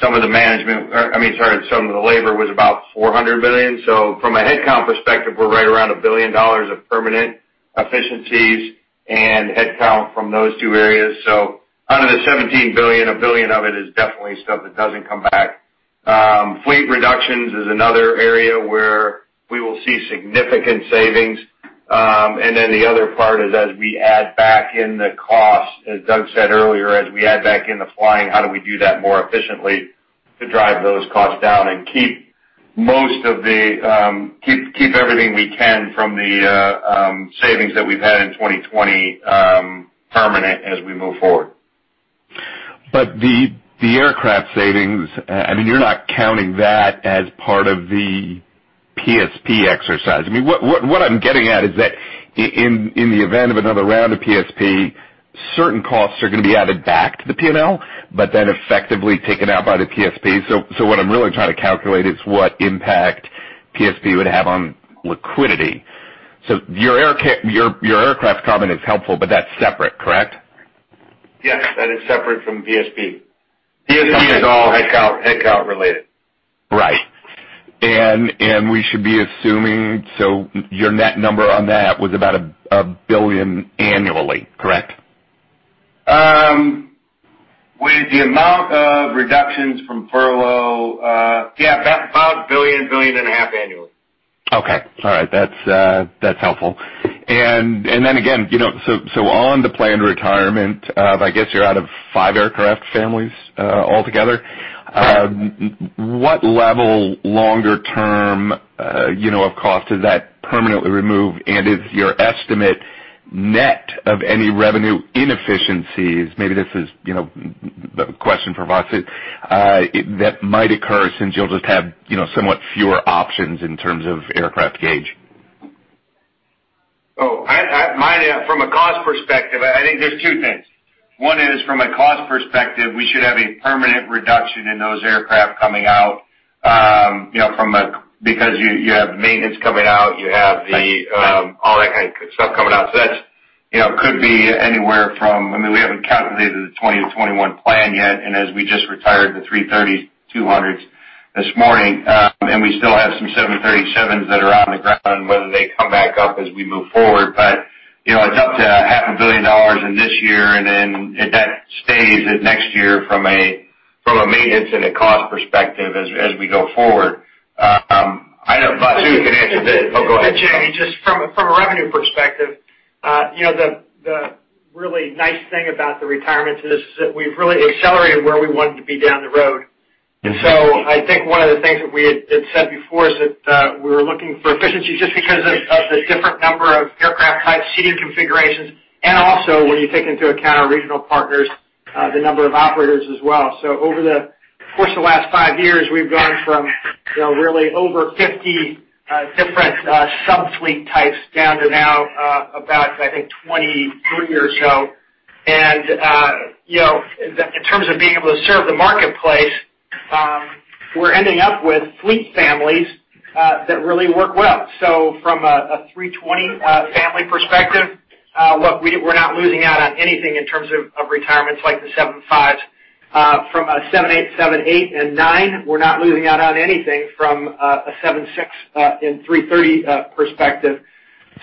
some of the labor was about $400 million. From a headcount perspective, we're right around $1 billion of permanent efficiencies and headcount from those two areas. Out of the $17 billion, $1 billion of it is definitely stuff that doesn't come back. Fleet reductions is another area where we will see significant savings. The other part is as we add back in the cost, as Doug said earlier, as we add back in the flying, how do we do that more efficiently to drive those costs down and keep everything we can from the savings that we've had in 2020 permanent as we move forward. The aircraft savings, you're not counting that as part of the PSP exercise. What I'm getting at is that in the event of another round of PSP, certain costs are going to be added back to the P&L, but then effectively taken out by the PSP. What I'm really trying to calculate is what impact PSP would have on liquidity. Your aircraft comment is helpful, but that's separate, correct? Yes, that is separate from PSP. PSP is all headcount related. Right. We should be assuming, so your net number on that was about $1 billion annually, correct? With the amount of reductions from furlough, yeah, about $1.5 billion annually. Okay. All right. That's helpful. Then again, on the planned retirement of, I guess, you're out of five aircraft families altogether. Correct. What level longer term of cost is that permanently removed? Is your estimate net of any revenue inefficiencies, maybe this is the question for Vasu, that might occur since you'll just have somewhat fewer options in terms of aircraft gauge? From a cost perspective, I think there's two things. One is, from a cost perspective, we should have a permanent reduction in those aircraft coming out because you have maintenance coming out, you have all that kind of stuff coming out. That could be anywhere from I mean, we haven't calculated the 2020 to 2021 plan yet, and as we just retired the A330-200s this morning, and we still have some 737s that are on the ground, whether they come back up as we move forward. It's up to half a billion dollars in this year, and then if that stays in next year from a maintenance and a cost perspective as we go forward. I don't know if Vasu can answer that. Go ahead. Jamie, just from a revenue perspective, the really nice thing about the retirements is that we've really accelerated where we wanted to be down the road. I think one of the things that we had said before is that, we were looking for efficiency just because of the different number of aircraft types, seating configurations, and also when you take into account our regional partners, the number of operators as well. Over the course of the last five years, we've gone from really over 50 different sub-fleet types down to now about, I think, 23 or so. In terms of being able to serve the marketplace, we're ending up with fleet families that really work well. From an A320 family perspective, we're not losing out on anything in terms of retirements like the 757s. From a 787-8 and 9, we're not losing out on anything from a 76 and A330 perspective.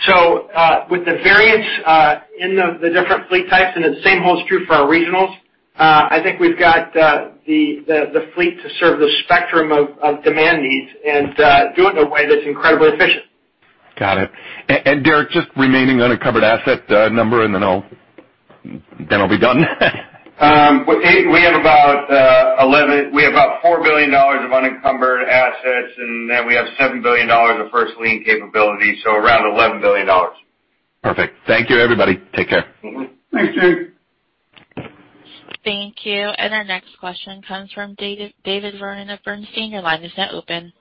With the variance in the different fleet types, and the same holds true for our regionals, I think we've got the fleet to serve the spectrum of demand needs and do it in a way that's incredibly efficient. Got it. Derek, just remaining on a covered asset number, and then I'll be done. We have about $4 billion of unencumbered assets, and then we have $7 billion of first lien capability, so around $11 billion. Perfect. Thank you, everybody. Take care. Thanks, Jamie. Thank you. Our next question comes from David Vernon of Bernstein. Your line is now open.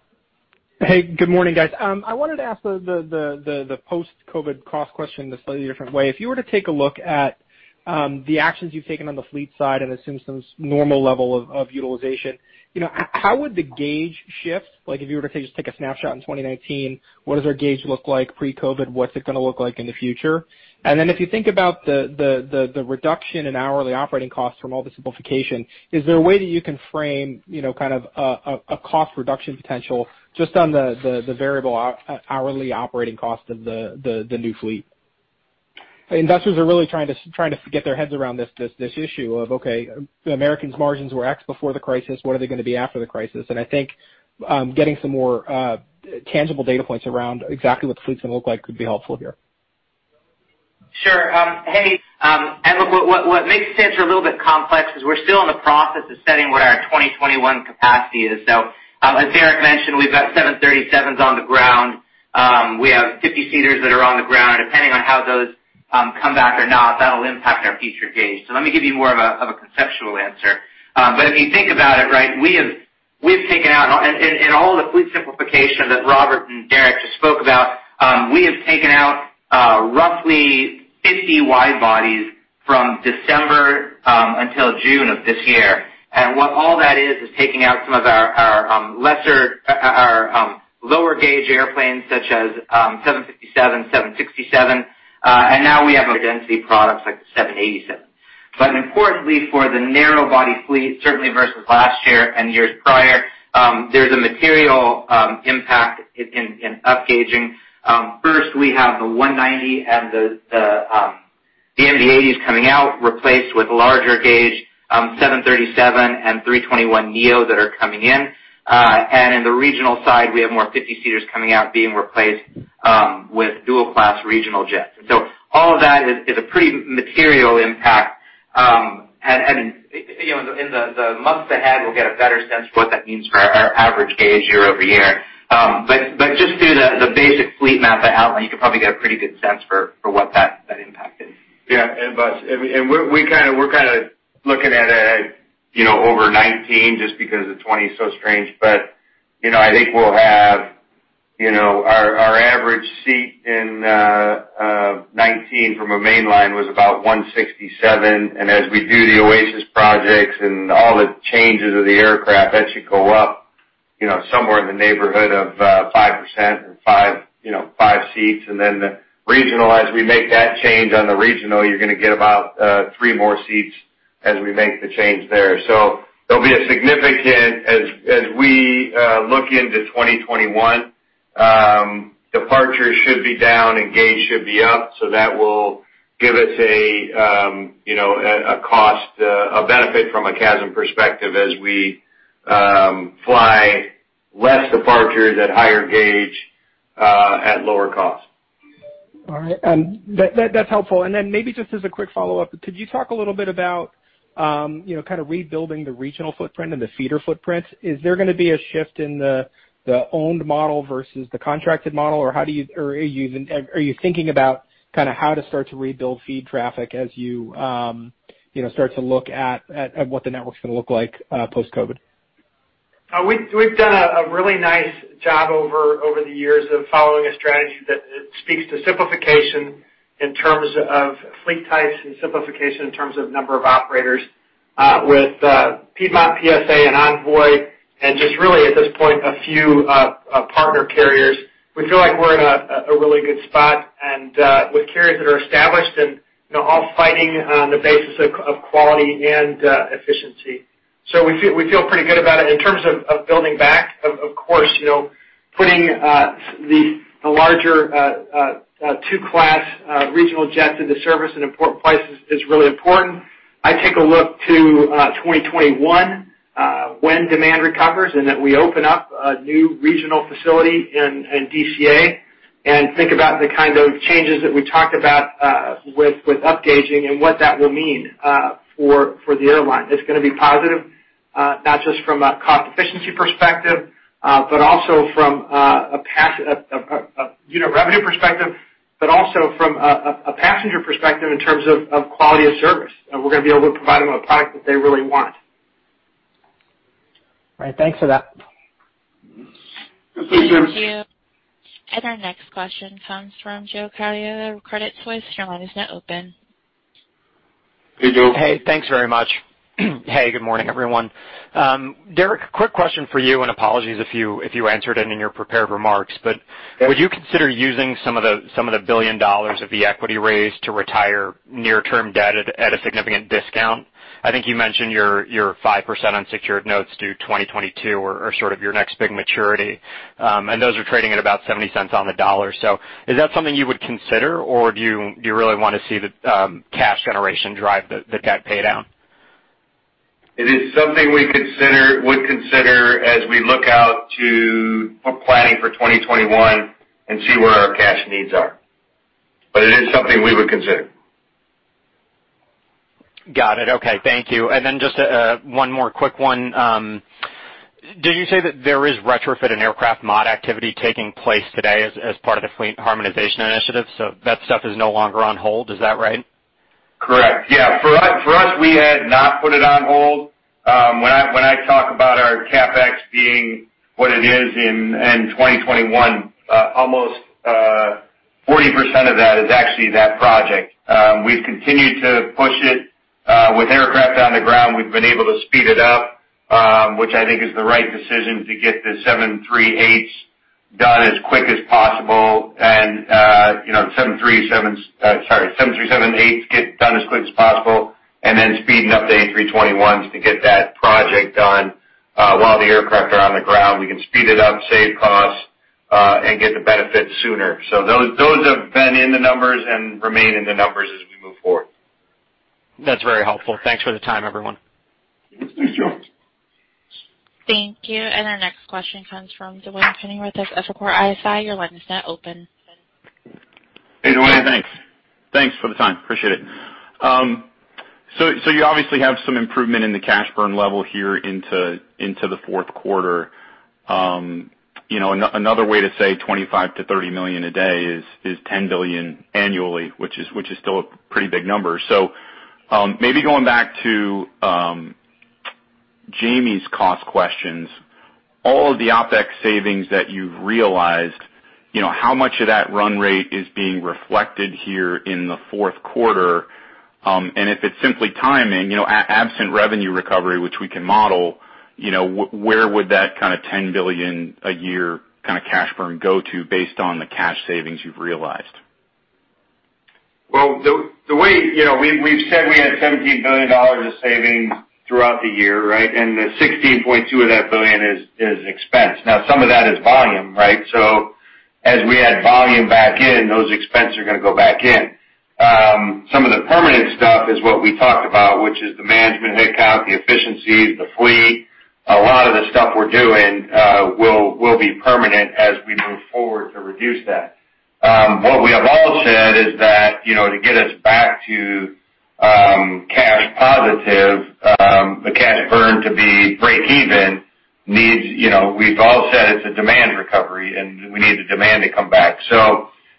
Hey, good morning, guys. I wanted to ask the post-COVID cost question in a slightly different way. If you were to take a look at the actions you've taken on the fleet side and assume some normal level of utilization, how would the gauge shift? Like if you were to just take a snapshot in 2019, what does our gauge look like pre-COVID? What's it going to look like in the future? If you think about the reduction in hourly operating costs from all the simplification, is there a way that you can frame a cost reduction potential just on the variable hourly operating cost of the new fleet? Investors are really trying to get their heads around this issue of, okay, American's margins were X before the crisis, what are they going to be after the crisis? I think getting some more tangible data points around exactly what the fleet's going to look like would be helpful here. Sure. Hey, look, what makes the answer a little bit complex is we're still in the process of setting what our 2021 capacity is. As Derek mentioned, we've got 737s on the ground. We have 50-seaters that are on the ground. Depending on how those come back or not, that'll impact our future gauge. Let me give you more of a conceptual answer. If you think about it, right, in all the fleet simplification that Robert and Derek just spoke about, we have taken out roughly 50 wide bodies from December until June of this year. What all that is taking out some of our lower gauge airplanes such as 757, 767, and now we have our density products like the 787. Importantly, for the narrow body fleet, certainly versus last year and years prior, there's a material impact in upgauging. First, we have the E190 and the MD-80s coming out, replaced with larger gauge 737 and A321neo that are coming in. In the regional side, we have more 50-seaters coming out being replaced with dual class regional jets. All of that is a pretty material impact. In the months ahead, we'll get a better sense for what that means for our average gauge year-over-year. Just through the basic fleet math I outlined, you can probably get a pretty good sense for what that impact is. Yeah. We're kind of looking at it over 2019 just because the 2020 is so strange, I think our average seat in 2019 from a mainline was about 167. As we do the Oasis projects and all the changes of the aircraft, that should go up somewhere in the neighborhood of 5% or five seats. Then the regional, as we make that change on the regional, you're going to get about three more seats as we make the change there. There'll be a significant, as we look into 2021, departures should be down and gauge should be up. That will give us a benefit from a CASM perspective as we fly less departures at higher gauge, at lower cost. All right. That's helpful. Maybe just as a quick follow-up, could you talk a little bit about kind of rebuilding the regional footprint and the feeder footprint? Is there going to be a shift in the owned model versus the contracted model? Are you thinking about how to start to rebuild feed traffic as you start to look at what the network is going to look like post-COVID? We've done a really nice job over the years of following a strategy that speaks to simplification in terms of fleet types and simplification in terms of number of operators, with Piedmont, PSA and Envoy, and just really at this point, a few partner carriers. We feel like we're in a really good spot and with carriers that are established and all fighting on the basis of quality and efficiency. We feel pretty good about it. In terms of building back, of course, putting the larger two-class regional jets into service in important places is really important. I take a look to 2021, when demand recovers, and that we open up a new regional facility in DCA, and think about the kind of changes that we talked about with upgauging and what that will mean for the airline. It's going to be positive, not just from a cost efficiency perspective, but also from a unit revenue perspective, but also from a passenger perspective in terms of quality of service. We're going to be able to provide them a product that they really want. Right. Thanks for that. Thank you. Thank you. Our next question comes from Joe Caiado, Credit Suisse. Your line is now open. Hey, Joe. Hey, thanks very much. Hey, good morning, everyone. Derek, quick question for you. Apologies if you answered it in your prepared remarks. Would you consider using some of the $1 billion of the equity raise to retire near-term debt at a significant discount? I think you mentioned your 5% unsecured notes due 2022 are sort of your next big maturity. Those are trading at about $0.70 on the dollar. Is that something you would consider, or do you really want to see the cash generation drive the debt pay down? It is something we would consider as we look out to planning for 2021 and see where our cash needs are. It is something we would consider. Got it. Okay. Thank you. Just one more quick one. Did you say that there is retrofit and aircraft mod activity taking place today as part of the fleet harmonization initiative? That stuff is no longer on hold. Is that right? Correct. Yeah, for us, we had not put it on hold. When I talk about our CapEx being what it is in 2021, almost 40% of that is actually that project. We've continued to push it. With aircraft on the ground, we've been able to speed it up, which I think is the right decision to get the 737-800s done as quick as possible. The 737-8s get done as quick as possible, and then speeding up the A321s to get that project done while the aircraft are on the ground. We can speed it up, save costs, and get the benefit sooner. Those have been in the numbers and remain in the numbers as we move forward. That's very helpful. Thanks for the time, everyone. Thank you. Thank you. Our next question comes from Duane Pfennigwerth with Evercore ISI. Your line is now open. Hey, Duane, thanks. Thanks for the time. Appreciate it. You obviously have some improvement in the cash burn level here into the fourth quarter. Another way to say $25 million-$30 million a day is $10 billion annually, which is still a pretty big number. Maybe going back to Jamie's cost questions, all of the OpEx savings that you've realized, how much of that run rate is being reflected here in the fourth quarter? If it's simply timing, absent revenue recovery, which we can model, where would that kind of $10 billion a year cash burn go to based on the cash savings you've realized? Well, we've said we had $17 billion of savings throughout the year, right? $16.2 billion of that is expense. Now, some of that is volume, right? As we add volume back in, those expenses are going to go back in. Some of the permanent stuff is what we talked about, which is the management headcount, the efficiencies, the fleet. A lot of the stuff we're doing will be permanent as we move forward to reduce that. What we have all said is that to get us back to cash positive, the cash burn to be breakeven, we've all said it's a demand recovery, we need the demand to come back.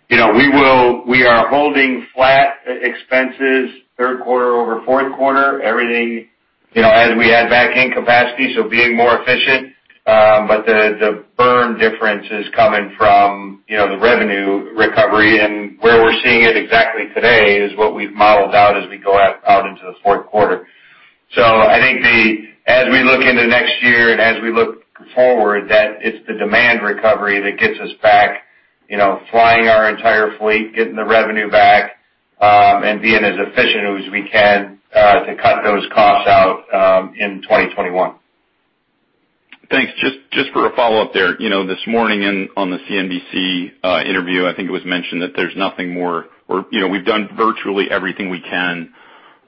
We are holding flat expenses, third quarter over fourth quarter. As we add back in capacity, so being more efficient, but the burn difference is coming from the revenue recovery. Where we're seeing it exactly today is what we've modeled out as we go out into the fourth quarter. I think as we look into next year and as we look forward, that it's the demand recovery that gets us back, flying our entire fleet, getting the revenue back, and being as efficient as we can, to cut those costs out, in 2021. Thanks. Just for a follow-up there, this morning on the CNBC interview, I think it was mentioned that there's nothing more, or we've done virtually everything we can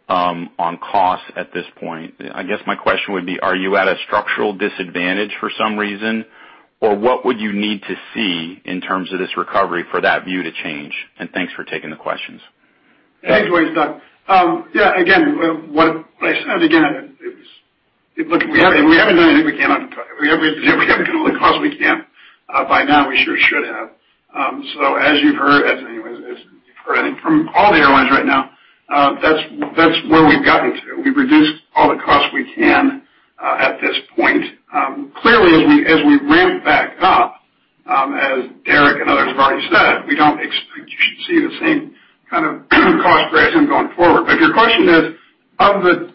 on cost at this point. I guess my question would be, are you at a structural disadvantage for some reason? What would you need to see in terms of this recovery for that view to change? Thanks for taking the questions. Thanks, Duane. It's Doug. Yeah, again, what I said, again, look, if we haven't done anything we can if we haven't cut all the costs we can by now, we sure should have. As you've heard from all the airlines right now, that's where we've gotten to. We've reduced all the costs we can at this point. Clearly, as we ramp back up, as Derek and others have already said, we don't expect you should see the same kind of cost progression going forward. If your question is of the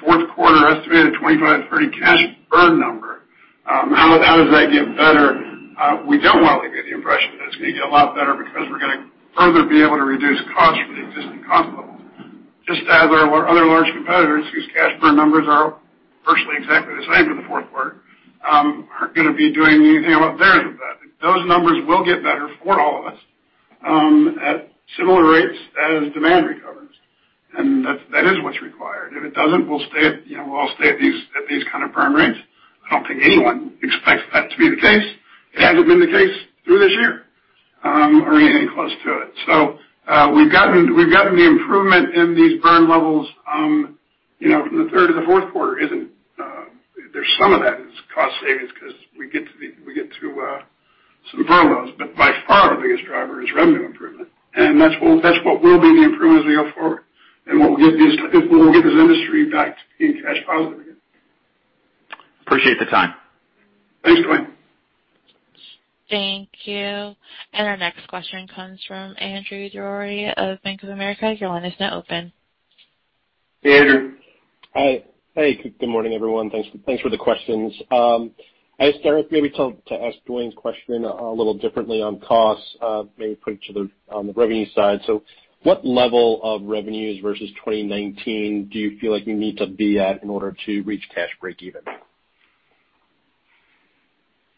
fourth quarter estimated $25 million-$30 million cash burn number, how does that get better? We don't want to leave you the impression that it's going to get a lot better because we're going to further be able to reduce costs from the existing cost levels, just as our other large competitors whose cash burn numbers are virtually exactly the same in the fourth quarter, aren't going to be doing anything about theirs with that. Those numbers will get better for all of us at similar rates as demand recovers. That is what's required. If it doesn't, we'll all stay at these kind of burn rates. I don't think anyone expects that to be the case. It hasn't been the case through this year, or anything close to it. We've gotten the improvement in these burn levels from the third to the fourth quarter, there's some of that is cost savings because we get to some furloughs, but by far our biggest driver is revenue improvement. That's what will be the improvement as we go forward and what will get this industry back to being cash positive again. Appreciate the time. Thanks, Duane. Thank you. Our next question comes from Andrew Didora of Bank of America. Your line is now open. Hey, Andrew. Hi. Good morning, everyone. Thanks for the questions. I guess, Derek, maybe to ask Duane's question a little differently on costs, maybe put each other on the revenue side. What level of revenues versus 2019 do you feel like you need to be at in order to reach cash breakeven?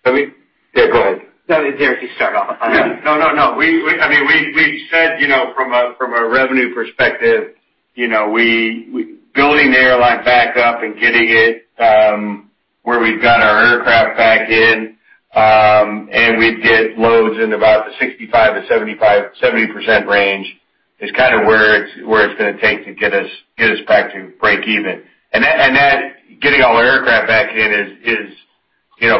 Yeah, go ahead. No, Derek, you start off on that. No. We said from a revenue perspective, building the airline back up and getting it where we've got our aircraft back in, and we get loads in about the 65%-70% range is kind of where it's going to take to get us back to breakeven. That getting all our aircraft back in is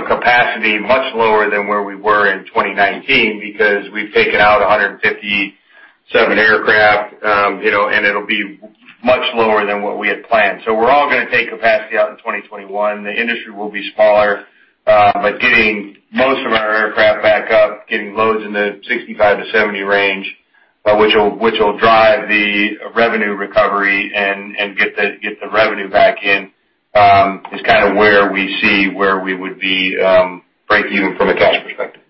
capacity much lower than where we were in 2019 because we've taken out 157 aircraft, and it'll be much lower than what we had planned. We're all going to take capacity out in 2021. The industry will be smaller. Getting most of our aircraft back up, getting loads in the 65%-70% range, which will drive the revenue recovery and get the revenue back in, is kind of where we see where we would be breaking even from a cash perspective.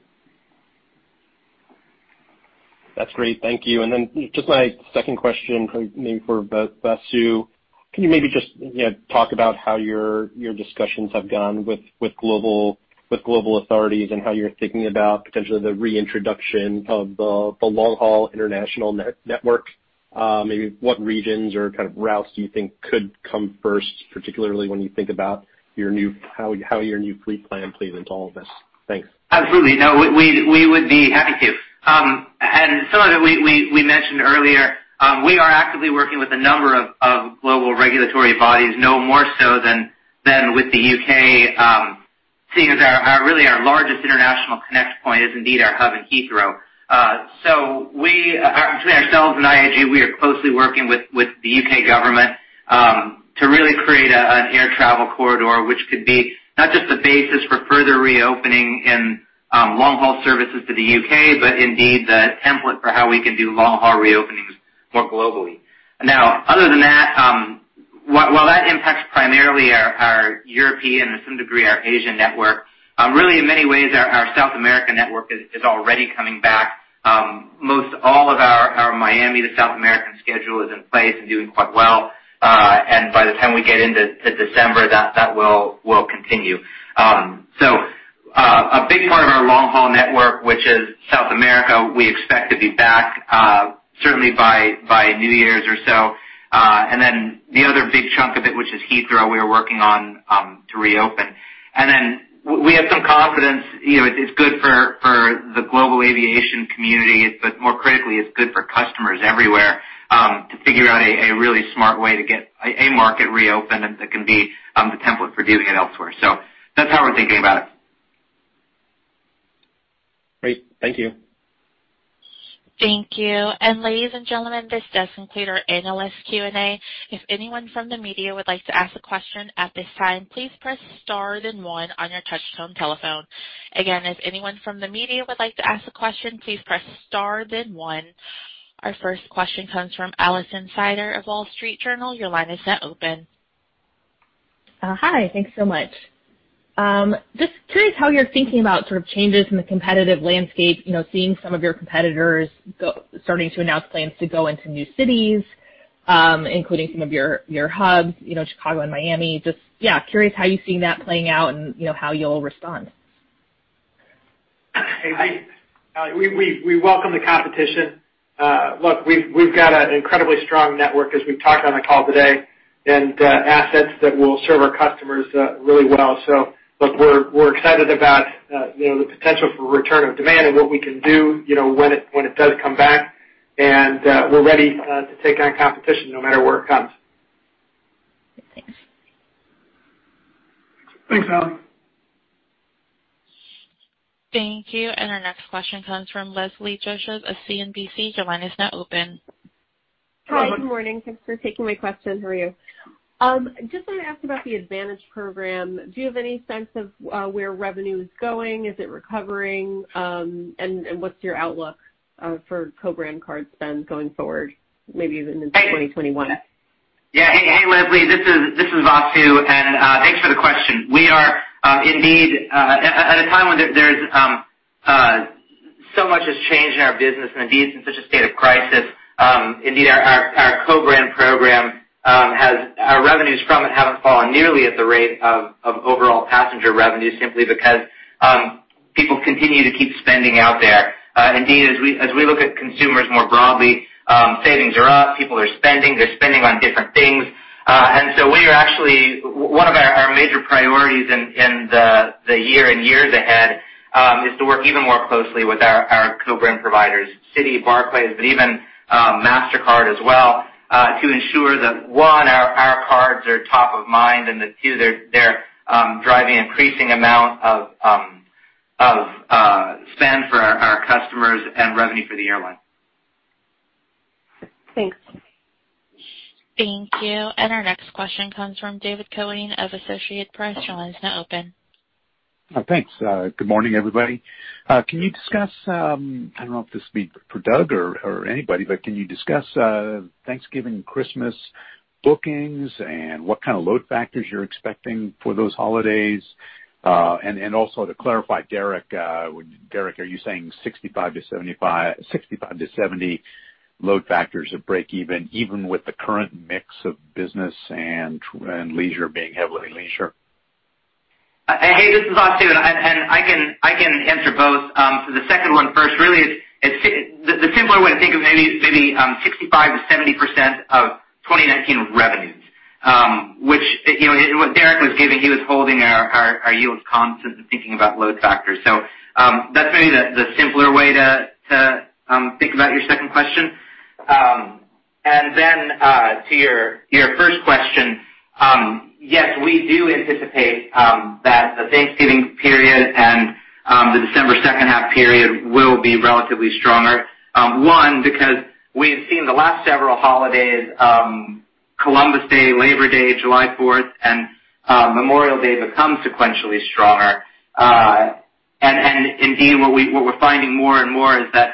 That's great. Thank you. Just my second question, maybe for Vasu. Can you maybe just talk about how your discussions have gone with global authorities and how you're thinking about potentially the reintroduction of the long-haul international network? Maybe what regions or kind of routes do you think could come first, particularly when you think about how your new fleet plan plays into all of this? Thanks. Absolutely. No, we would be happy to. Some of it we mentioned earlier. We are actively working with a number of global regulatory bodies, no more so than with the U.K., seeing as really our largest international connect point is indeed our hub in Heathrow. Between ourselves and IAG, we are closely working with the U.K. government, to really create an air travel corridor, which could be not just the basis for further reopening in long-haul services to the U.K., but indeed the template for how we can do long-haul reopenings more globally. Other than that, while that impacts primarily our European and to some degree, our Asian network, really in many ways, our South American network is already coming back. Most all of our Miami to South American schedule is in place and doing quite well. By the time we get into December, that will continue. A big part of our long-haul network, which is South America, we expect to be back certainly by New Year's or so. The other big chunk of it, which is Heathrow, we are working on to reopen. We have some confidence. It's good for the global aviation community, but more critically, it's good for customers everywhere, to figure out a really smart way to get a market reopened that can be the template for doing it elsewhere. That's how we're thinking about it. Great. Thank you. Thank you. Ladies and gentlemen, this does conclude our analyst Q&A. If anyone from the media would like to ask a question at this time, please press star then one on your touch-tone telephone. Again, if anyone from the media would like to ask a question, please press star then one. Our first question comes from Alison Sider of Wall Street Journal. Your line is now open. Hi. Thanks so much. Just curious how you're thinking about changes in the competitive landscape, seeing some of your competitors starting to announce plans to go into new cities, including some of your hubs, Chicago and Miami. Just, yeah, curious how you're seeing that playing out and how you'll respond? Hey. We welcome the competition. We've got an incredibly strong network as we've talked on the call today, and assets that will serve our customers really well. We're excited about the potential for return of demand and what we can do when it does come back and we're ready to take on competition no matter where it comes. Thanks. Thanks, Alison. Thank you. Our next question comes from Leslie Josephs of CNBC. Your line is now open. Hi. Good morning. Thanks for taking my question. How are you? Just want to ask about the AAdvantage program. Do you have any sense of where revenue is going? Is it recovering? What's your outlook for co-brand card spend going forward, maybe even into 2021? Yeah. Hey, Leslie, this is Vasu. Thanks for the question. At a time when there's so much has changed in our business and indeed it's in such a state of crisis, indeed our co-brand program, our revenues from it haven't fallen nearly at the rate of overall passenger revenue simply because people continue to keep spending out there. Indeed, as we look at consumers more broadly, savings are up. People are spending. They're spending on different things. One of our major priorities in the year and years ahead, is to work even more closely with our co-brand providers, Citi, Barclays, but even Mastercard as well, to ensure that, one, our cards are top of mind, and that two, they're driving increasing amount of spend for our customers and revenue for the airline. Thanks. Thank you. Our next question comes from David Koenig of Associated Press. Your line is now open. Thanks. Good morning, everybody. I don't know if this would be for Doug or anybody, but can you discuss, Thanksgiving, Christmas bookings and what kind of load factors you're expecting for those holidays? Also to clarify, Derek, are you saying 65%-70% load factors of break even with the current mix of business and leisure being heavily leisure? Hey, this is Vasu. I can answer both. The second one first, really the simpler way to think of maybe 65%-70% of 2019 revenues. What Derek was giving, he was holding our yields constant and thinking about load factors. That's maybe the simpler way to think about your second question. To your first question, yes, we do anticipate that the Thanksgiving period and the December second half period will be relatively stronger. One, because we have seen the last several holidays, Columbus Day, Labor Day, July 4th, and Memorial Day become sequentially stronger. Indeed, what we're finding more and more is that,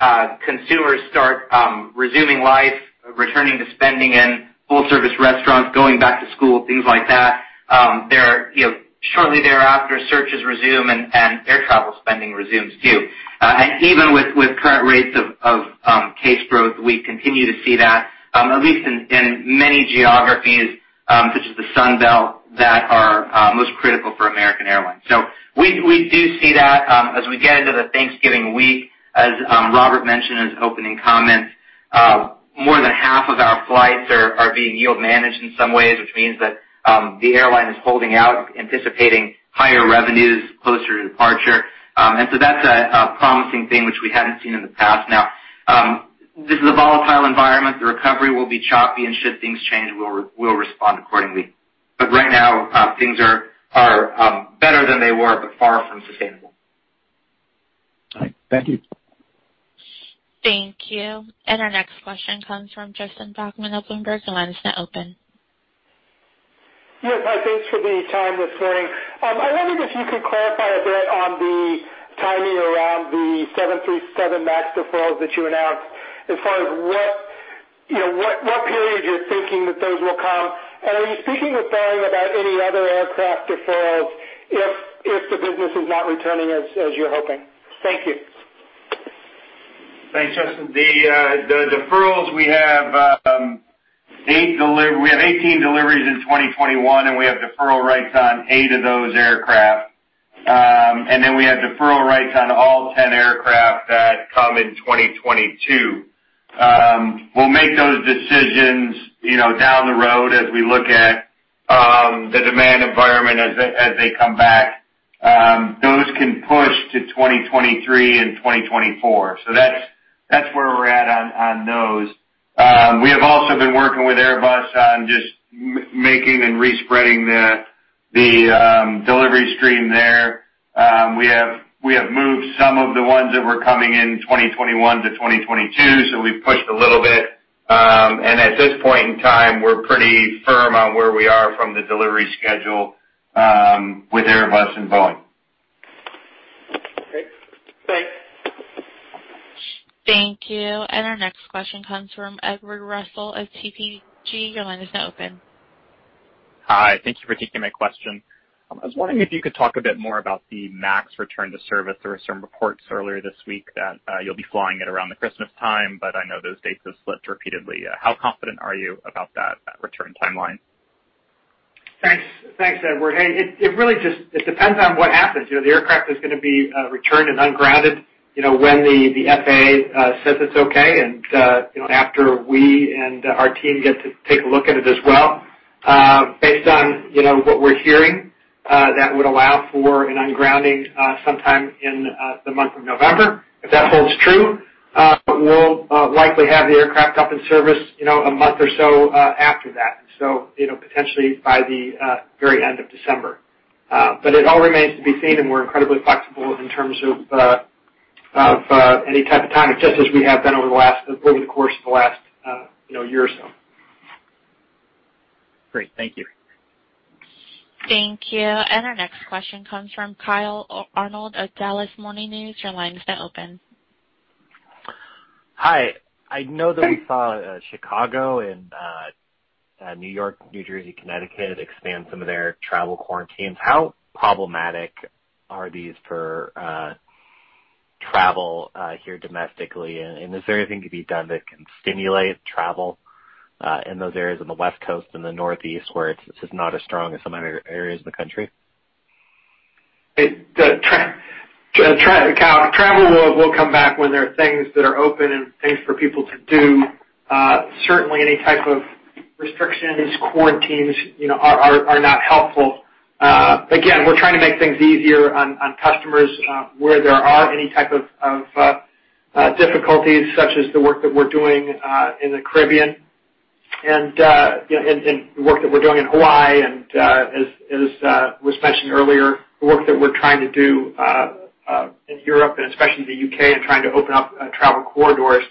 as consumers start resuming life, returning to spending in full service restaurants, going back to school, things like that, shortly thereafter, searches resume and air travel spending resumes, too. Even with current rates of case growth, we continue to see that, at least in many geographies, such as the Sun Belt, that are most critical for American Airlines. We do see that as we get into the Thanksgiving week. As Robert mentioned in his opening comments, more than half of our flights are being yield managed in some ways, which means that the airline is holding out, anticipating higher revenues closer to departure. That's a promising thing which we hadn't seen in the past. This is a volatile environment. The recovery will be choppy and should things change, we'll respond accordingly. Right now, things are better than they were, but far from sustainable. All right. Thank you. Thank you. Our next question comes from Justin Bachman, Bloomberg. The line is now open. Yes. Hi, thanks for the time this morning. I wonder if you could clarify a bit on the timing around the 737 MAX deferrals that you announced as far as what period you're thinking that those will come, and are you speaking with Boeing about any other aircraft deferrals if the business is not returning as you're hoping? Thank you. Thanks, Justin. The deferrals, we have 18 deliveries in 2021, we have deferral rights on eight of those aircraft. Then we have deferral rights on all 10 aircraft that come in 2022. We'll make those decisions down the road as we look at the demand environment as they come back. Those can push to 2023 and 2024. That's where we're at on those. We have also been working with Airbus on just making and re-spreading the delivery stream there. We have moved some of the ones that were coming in 2021 to 2022, so we've pushed a little bit. At this point in time, we're pretty firm on where we are from the delivery schedule with Airbus and Boeing. Okay. Thanks. Thank you. Our next question comes from Edward Russell of TPG. Your line is now open. Hi. Thank you for taking my question. I was wondering if you could talk a bit more about the MAX return to service. There were some reports earlier this week that you'll be flying it around the Christmas time, but I know those dates have slipped repeatedly. How confident are you about that return timeline? Thanks, Edward. Hey, it depends on what happens. The aircraft is going to be returned and ungrounded when the FAA says it's okay and after we and our team get to take a look at it as well. Based on what we're hearing, that would allow for an ungrounding sometime in the month of November. If that holds true, we'll likely have the aircraft up in service a month or so after that. Potentially by the very end of December. It all remains to be seen, and we're incredibly flexible in terms of any type of timing, just as we have been over the course of the last year or so. Great. Thank you. Thank you. Our next question comes from Kyle Arnold of Dallas Morning News. Your line is now open. Hi. I know that we saw Chicago and New York, New Jersey, Connecticut expand some of their travel quarantines. How problematic are these for travel here domestically, and is there anything to be done that can stimulate travel in those areas on the West Coast and the Northeast, where it's just not as strong as some other areas in the country? Kyle, travel will come back when there are things that are open and things for people to do. Certainly, any type of restrictions, quarantines are not helpful. Again, we're trying to make things easier on customers, where there are any type of difficulties, such as the work that we're doing in the Caribbean and the work that we're doing in Hawaii and as was mentioned earlier, the work that we're trying to do in Europe and especially the U.K. and trying to open up travel corridors.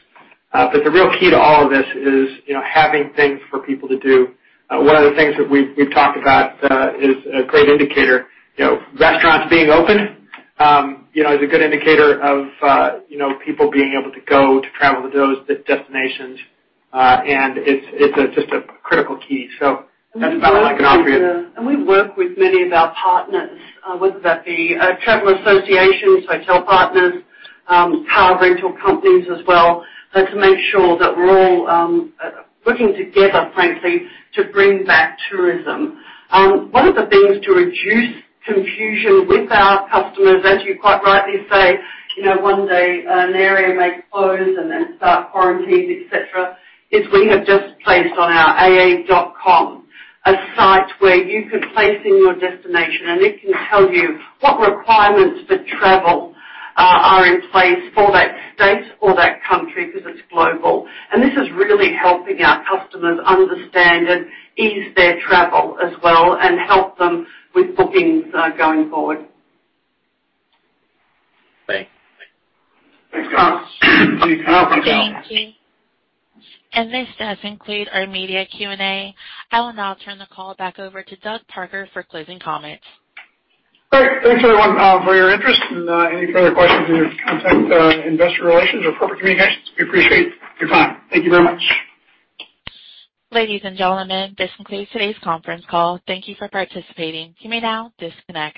The real key to all of this is having things for people to do. One of the things that we've talked about is a great indicator. Restaurants being open is a good indicator of people being able to go to travel to those destinations, and it's just a critical key. That's about all I can offer you. We work with many of our partners, whether that be travel associations, hotel partners, car rental companies as well, to make sure that we're all working together, frankly, to bring back tourism. One of the things to reduce confusion with our customers, as you quite rightly say, one day an area may close and then start quarantines, et cetera, is we have just placed on our aa.com a site where you can place in your destination, and it can tell you what requirements for travel are in place for that state or that country, because it's global. This is really helping our customers understand and ease their travel as well and help them with bookings going forward. Thanks. Thanks, Kyle. Thank you. This does conclude our media Q&A. I will now turn the call back over to Doug Parker for closing comments. Great. Thanks, everyone, for your interest. Any further questions, you can contact Investor Relations or Corporate Communications. We appreciate your time. Thank you very much. Ladies and gentlemen, this concludes today's conference call. Thank you for participating. You may now disconnect.